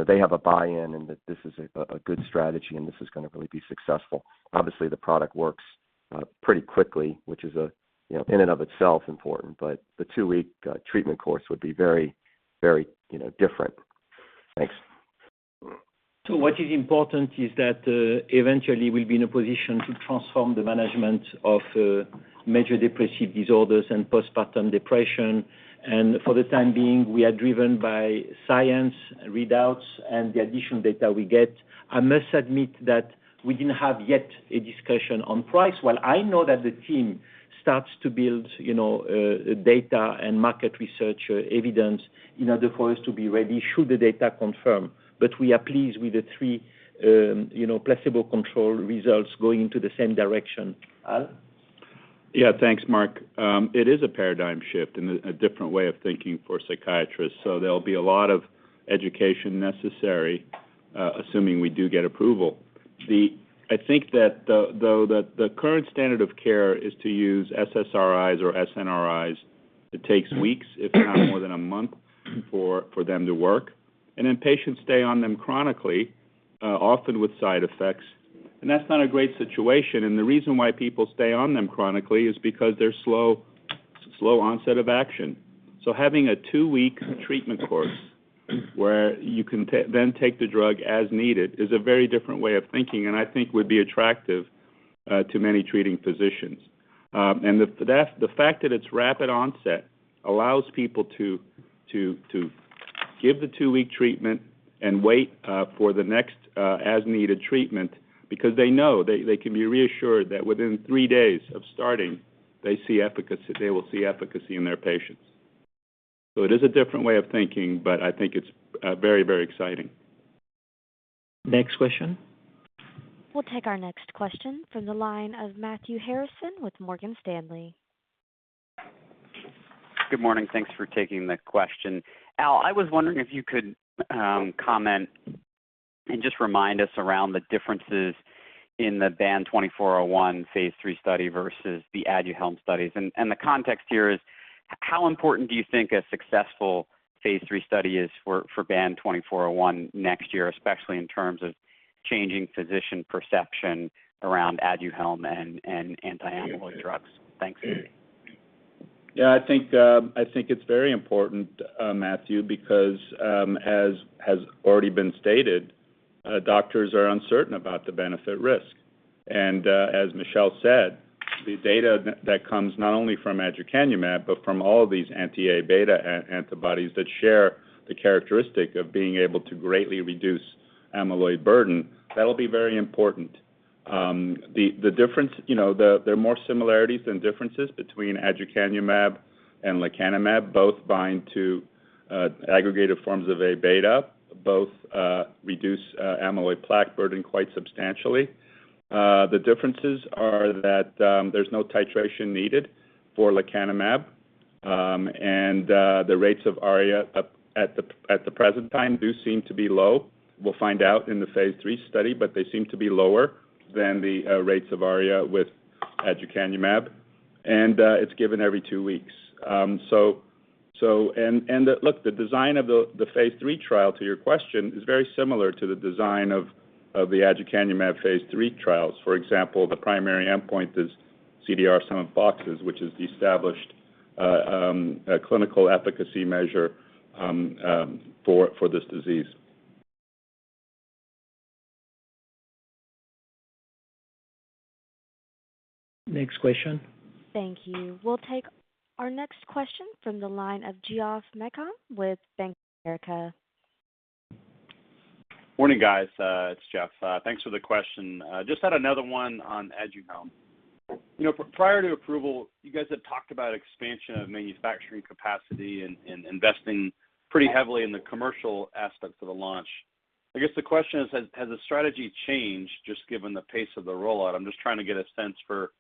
they have a buy-in and that this is a good strategy and this is going to really be successful. Obviously, the product works pretty quickly, which is in and of itself important, but the two week treatment course would be very different. Thanks. What is important is that eventually we'll be in a position to transform the management of major depressive disorders and postpartum depression. For the time being, we are driven by science, readouts, and the additional data we get. I must admit that we didn't have yet a discussion on price. While I know that the team starts to build data and market research evidence in order for us to be ready should the data confirm. We are pleased with the three placebo control results going into the same direction. Al? Thanks, Marc. It is a paradigm shift and a different way of thinking for psychiatrists. There'll be a lot of education necessary, assuming we do get approval. I think that though the current standard of care is to use SSRIs or SNRIs. It takes weeks, if not more than a month for them to work. Then patients stay on them chronically, often with side effects. That's not a great situation. The reason why people stay on them chronically is because they're slow onset of action. Having a two week treatment course where you can then take the drug as needed is a very different way of thinking and I think would be attractive to many treating physicians. The fact that it's rapid onset allows people to give the two-week treatment and wait for the next as-needed treatment because they know they can be reassured that within three days of starting, they will see efficacy in their patients. It is a different way of thinking, but I think it's very, very exciting. Next question. We'll take our next question from the line of Matthew Harrison with Morgan Stanley. Good morning. Thanks for taking the question. Al, I was wondering if you could comment and just remind us around the differences in the lecanemab phase III study versus the ADUHELM studies. The context here is how important do you think a successful phase III study is for lecanemab next year, especially in terms of changing physician perception around ADUHELM and anti-amyloid drugs? Thanks. Yeah, I think it's very important, Matthew Harrison, because as already been stated, doctors are uncertain about the benefit risk. As Michel Vounatsos said, the data that comes not only from aducanumab but from all these anti-Aβ antibodies that share the characteristic of being able to greatly reduce amyloid burden, that'll be very important. There are more similarities than differences between aducanumab and lecanemab. Both bind to aggregated forms of Aβ. Both reduce amyloid plaque burden quite substantially. The differences are that there's no titration needed for lecanemab. The rates of ARIA at the present time do seem to be low. We'll find out in the phase III study, they seem to be lower than the rates of ARIA with aducanumab, it's given every two weeks. Look, the design of the phase III trial, to your question, is very similar to the design of the aducanumab phase III trials. For example, the primary endpoint is CDR sum of boxes, which is the established clinical efficacy measure for this disease. Next question. Thank you. We'll take our next question from the line of Geoff Meacham with Bank of America. Morning, guys. It's Geoff. Thanks for the question. I just had another one on ADUHELM. Prior to approval, you guys had talked about expansion of manufacturing capacity and investing pretty heavily in the commercial aspects of the launch. I guess the question is, has the strategy changed just given the pace of the rollout? I'm just trying to get a sense for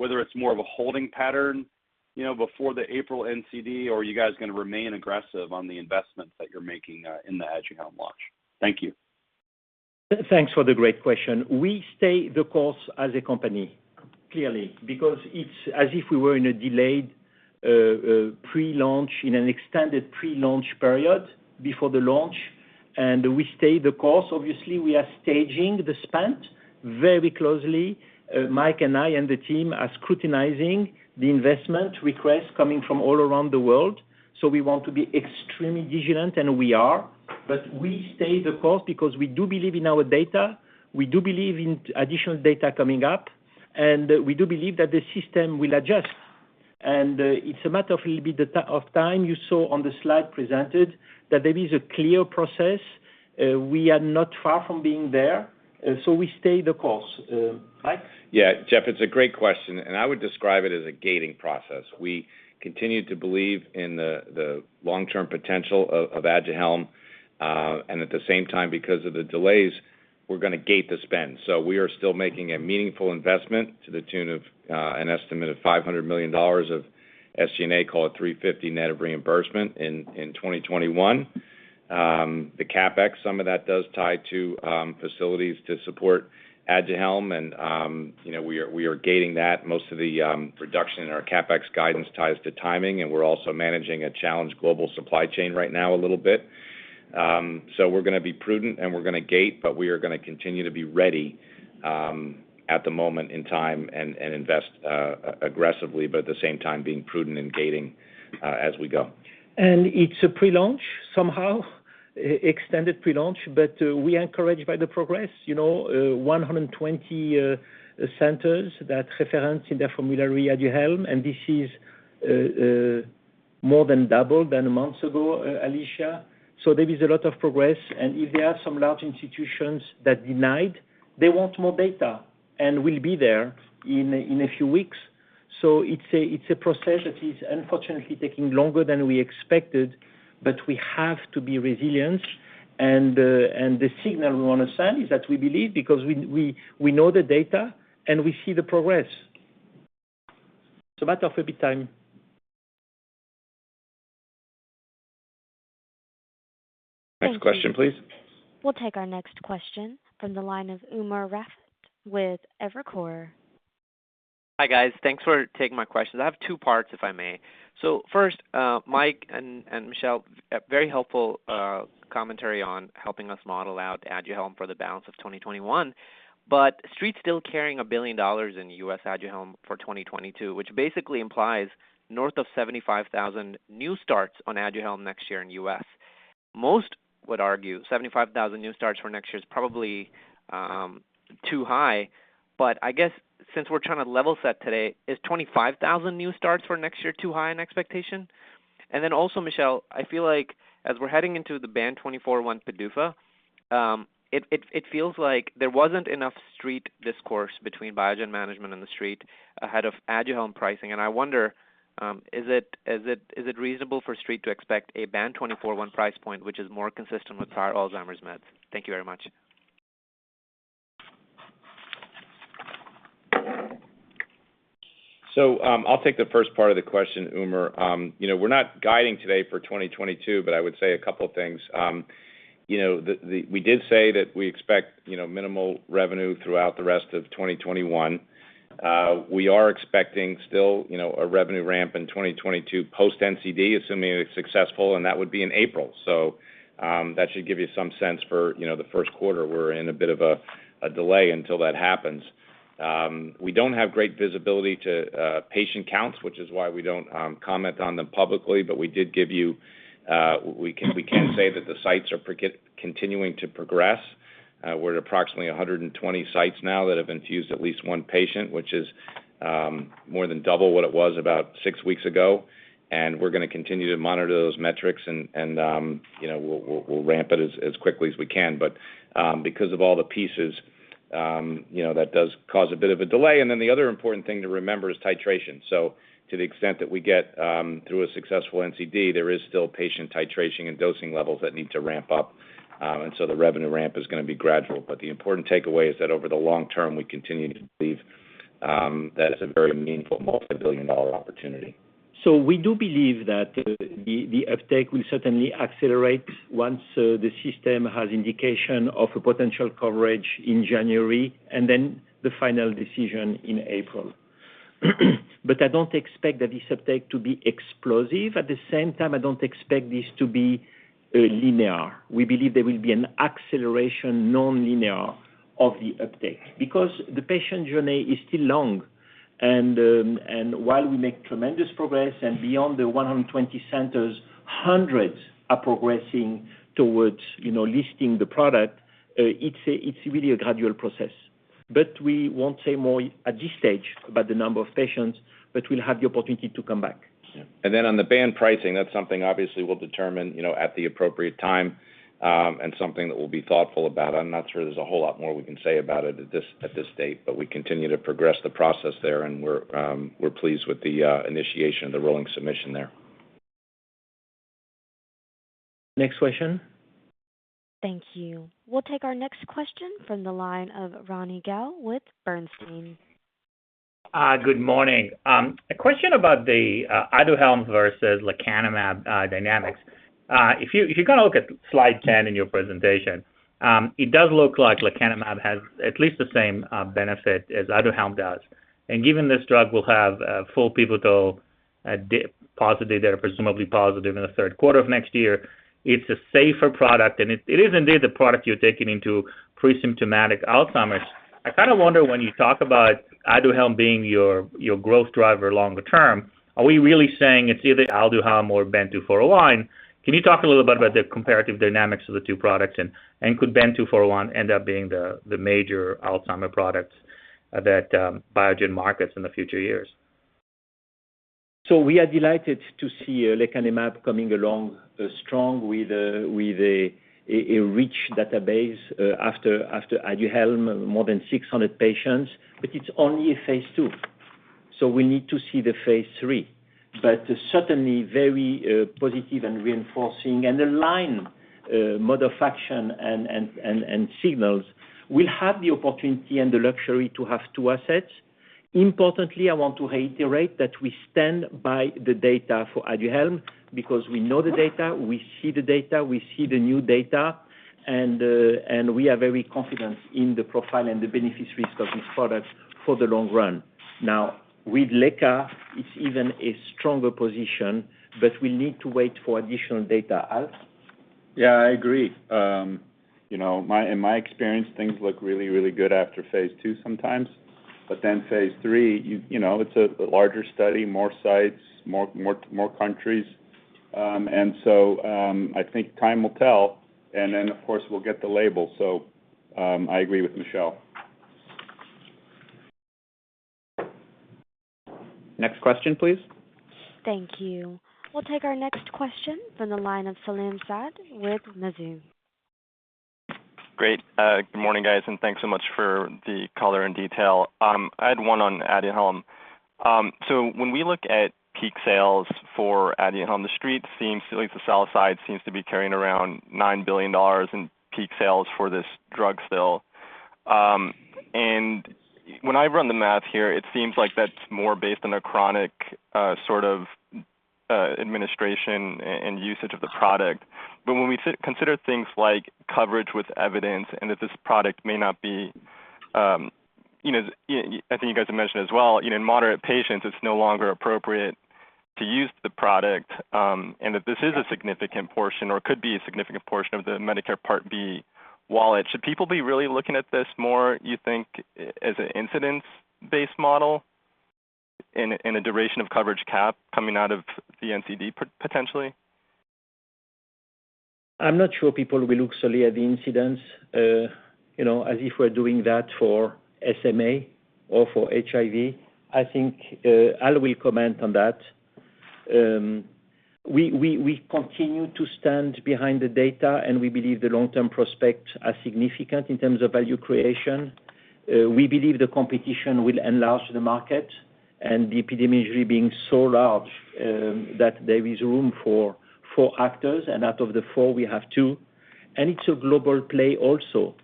whether it's more of a holding pattern before the April NCD, or are you guys going to remain aggressive on the investments that you're making in the ADUHELM launch? Thank you. Thanks for the great question. We stay the course as a company, clearly, because it's as if we were in a delayed pre-launch in an extended pre-launch period before the launch, and we stay the course. Obviously, we are staging the spend very closely. Mike and I and the team are scrutinizing the investment requests coming from all around the world. We want to be extremely vigilant, and we are, but we stay the course because we do believe in our data. We do believe in additional data coming up, and we do believe that the system will adjust, and it's a matter of a little bit of time. You saw on the slide presented that there is a clear process. We are not far from being there, so we stay the course. Mike? Geoff, it's a great question. I would describe it as a gating process. We continue to believe in the long-term potential of ADUHELM. At the same time, because of the delays, we're going to gate the spend. We are still making a meaningful investment to the tune of an estimated $500 million of SG&A, call it $350 net of reimbursement in 2021. The CapEx, some of that does tie to facilities to support ADUHELM. We are gating that. Most of the reduction in our CapEx guidance ties to timing. We're also managing a challenged global supply chain right now a little bit. We're going to be prudent and we're going to gate, but we are going to continue to be ready at the moment in time and invest aggressively, but at the same time being prudent in gating as we go. It's a pre-launch, somehow, extended pre-launch. We are encouraged by the progress. 120 centers that reference in their formulary ADUHELM. This is more than double than months ago, Alisha Alaimo. There is a lot of progress. If there are some large institutions that denied, they want more data. Will be there in a few weeks. It's a process that is unfortunately taking longer than we expected. We have to be resilient. The signal we want to send is that we believe because we know the data. We see the progress. Matter of a bit time. Next question, please. We'll take our next question from the line of Umer Raffat with Evercore. Hi, guys. Thanks for taking my questions. I have two parts, if I may. First, Mike and Michel, very helpful commentary on helping us model out ADUHELM for the balance of 2021. Street's still carrying $1 billion in U.S. ADUHELM for 2022, which basically implies north of 75,000 new starts on ADUHELM next year in U.S. Most would argue 75,000 new starts for next year is probably too high, but I guess since we're trying to level set today, is 25,000 new starts for next year too high an expectation? Also, Michel, I feel like as we're heading into the lecanemab PDUFA, it feels like there wasn't enough Street discourse between Biogen management and the Street ahead of ADUHELM pricing, and I wonder, is it reasonable for Street to expect a lecanemab price point which is more consistent with prior Alzheimer's meds? Thank you very much. I'll take the first part of the question, Umer. We're not guiding today for 2022, but I would say a couple things. We did say that we expect minimal revenue throughout the rest of 2021. We are expecting still a revenue ramp in 2022 post NCD, assuming it's successful, and that would be in April. That should give you some sense for the first quarter. We're in a bit of a delay until that happens. We don't have great visibility to patient counts, which is why we don't comment on them publicly, but we can say that the sites are continuing to progress. We're at approximately 120 sites now that have infused at least 1 patient, which is more than double what it was about 6 weeks ago. We're going to continue to monitor those metrics and we'll ramp it as quickly as we can. Because of all the pieces that does cause a bit of a delay. The other important thing to remember is titration. To the extent that we get through a successful NCD, there is still patient titration and dosing levels that need to ramp up, the revenue ramp is going to be gradual. The important takeaway is that over the long term, we continue to believe that it's a very meaningful multi-billion dollar opportunity. We do believe that the uptake will certainly accelerate once the system has indication of a potential coverage in January and then the final decision in April. I don't expect that this uptake to be explosive. At the same time, I don't expect this to be linear. We believe there will be an acceleration, non-linear, of the uptake because the patient journey is still long. While we make tremendous progress and beyond the 120 centers, hundreds are progressing towards listing the product. It's really a gradual process. We won't say more at this stage about the number of patients, but we'll have the opportunity to come back. Yeah. On the BAN pricing, that's something obviously we'll determine at the appropriate time, and something that we'll be thoughtful about. I'm not sure there's a whole lot more we can say about it at this state, but we continue to progress the process there, and we're pleased with the initiation of the rolling submission there. Next question. Thank you. We'll take our next question from the line of Ronny Gal with Bernstein. Good morning. A question about the ADUHELM versus lecanemab dynamics. If you kind of look at slide 10 in your presentation, it does look like lecanemab has at least the same benefit as ADUHELM does. Given this drug will have full pivotal data, presumably positive, in the third quarter of next year, it's a safer product, and it is indeed the product you're taking into pre-symptomatic Alzheimer's. I kind of wonder when you talk about ADUHELM being your growth driver longer term, are we really saying it's either ADUHELM or lecanemab? Can you talk a little bit about the comparative dynamics of the two products, and could lecanemab end up being the major Alzheimer product that Biogen markets in the future years? We are delighted to see lecanemab coming along strong with a rich database after ADUHELM, more than 600 patients, but it's only a phase II, so we need to see the phase III. Certainly very positive and reinforcing and aligned mode of action and signals. We'll have the opportunity and the luxury to have two assets. Importantly, I want to reiterate that we stand by the data for ADUHELM because we know the data, we see the data, we see the new data, and we are very confident in the profile and the benefit risk of this product for the long run. With leca, it's even a stronger position, but we need to wait for additional data. Al? Yeah, I agree. In my experience, things look really, really good after phase II sometimes, but then phase III it's a larger study, more sites, more countries. I think time will tell, and then of course, we'll get the label. I agree with Michel. Next question, please. Thank you. We'll take our next question from the line of Salim Syed with Mizuho. Great. Good morning, guys, and thanks so much for the color and detail. I had one on ADUHELM. When we look at peak sales for ADUHELM, the Street seems, at least the sell side seems to be carrying around $9 billion in peak sales for this drug still. When I run the math here, it seems like that's more based on a chronic sort of administration and usage of the product. When we consider things like coverage with evidence and that this product may not be, I think you guys have mentioned as well, in moderate patients, it's no longer appropriate to use the product, and that this is a significant portion or could be a significant portion of the Medicare Part B wallet. Should people be really looking at this more, you think, as an incidence-based model and a duration of coverage cap coming out of the NCD potentially? I'm not sure people will look solely at the incidence as if we're doing that for SMA or for HIV. I think Al will comment on that. We continue to stand behind the data, and we believe the long-term prospects are significant in terms of value creation. We believe the competition will enlarge the market and the epidemiology being so large, that there is room for four actors, and out of the four we have two. It's a global play also.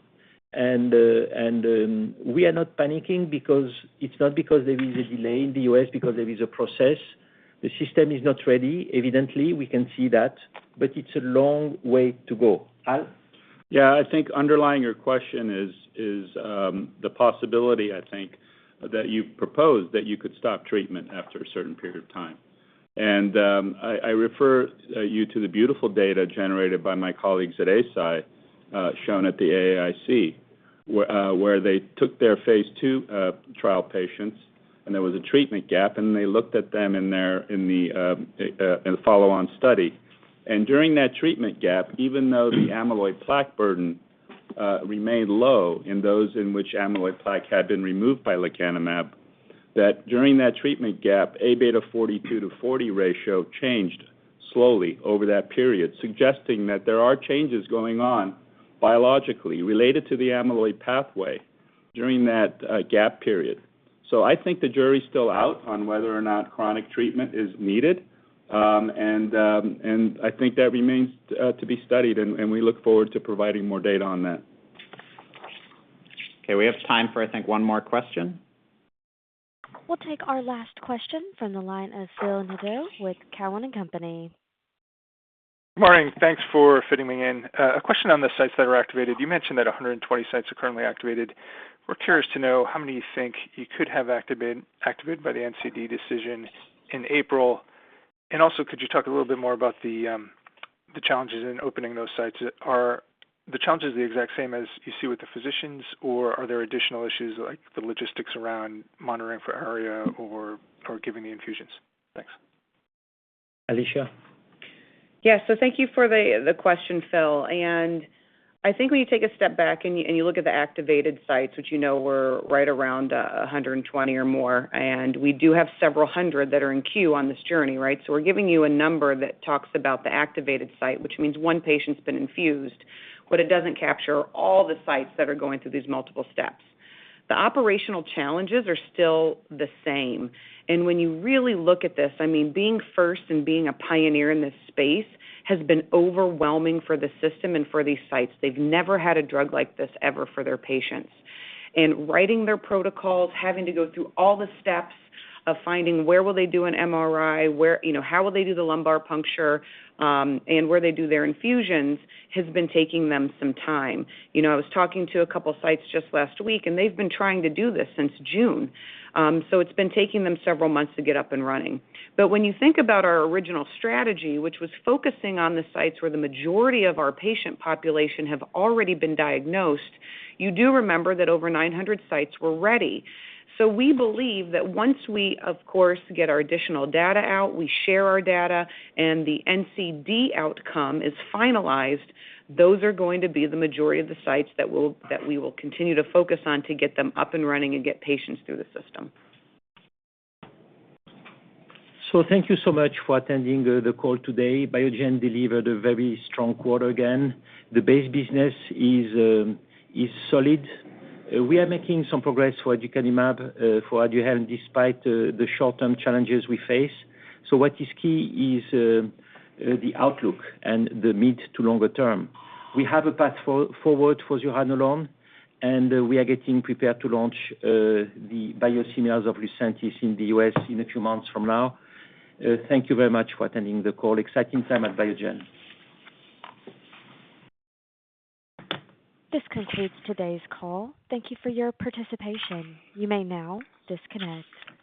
We are not panicking because it's not because there is a delay in the U.S., because there is a process. The system is not ready. Evidently, we can see that, but it's a long way to go. Al? Yeah, I think underlying your question is the possibility, I think, that you proposed that you could stop treatment after a certain period of time. I refer you to the beautiful data generated by my colleagues at Eisai, shown at the AAIC, where they took their phase II trial patients and there was a treatment gap, and they looked at them in the follow-on study. During that treatment gap, even though the amyloid plaque burden remained low in those in which amyloid plaque had been removed by lecanemab, that during that treatment gap, Abeta 42 to 40 ratio changed slowly over that period, suggesting that there are changes going on biologically related to the amyloid pathway during that gap period. I think the jury's still out on whether or not chronic treatment is needed. I think that remains to be studied, and we look forward to providing more data on that. Okay, we have time for, I think, one more question. We'll take our last question from the line of Phil Nadeau with Cowen & Company. Morning. Thanks for fitting me in. A question on the sites that are activated. You mentioned that 120 sites are currently activated. We're curious to know how many you think you could have activated by the NCD decision in April. Also, could you talk a little bit more about the challenges in opening those sites? Are the challenges the exact same as you see with the physicians, or are there additional issues like the logistics around monitoring for ARIA or giving the infusions? Thanks. Alisha? Thank you for the question, Philip. I think when you take a step back and you look at the activated sites, which you know were right around 120 or more, and we do have several hundred that are in queue on this journey, right? We're giving you a number that talks about the activated site, which means 1 patient's been infused, but it doesn't capture all the sites that are going through these multiple steps. The operational challenges are still the same. When you really look at this, being first and being a pioneer in this space has been overwhelming for the system and for these sites. They've never had a drug like this ever for their patients. Writing their protocols, having to go through all the steps of finding where will they do an MRI, how will they do the lumbar puncture, and where they do their infusions has been taking them some time. I was talking to a couple sites just last week, they've been trying to do this since June. It's been taking them several months to get up and running. When you think about our original strategy, which was focusing on the sites where the majority of our patient population have already been diagnosed, you do remember that over 900 sites were ready. We believe that once we, of course, get our additional data out, we share our data, and the NCD outcome is finalized, those are going to be the majority of the sites that we will continue to focus on to get them up and running and get patients through the system. Thank you so much for attending the call today. Biogen delivered a very strong quarter again. The base business is solid. We are making some progress for aducanumab, for ADUHELM, despite the short-term challenges we face. What is key is the outlook and the mid to longer term. We have a path forward for zuranolone, and we are getting prepared to launch the biosimilars of Lucentis in the U.S. in a few months from now. Thank you very much for attending the call. Exciting time at Biogen. This concludes today's call. Thank you for your participation. You may now disconnect.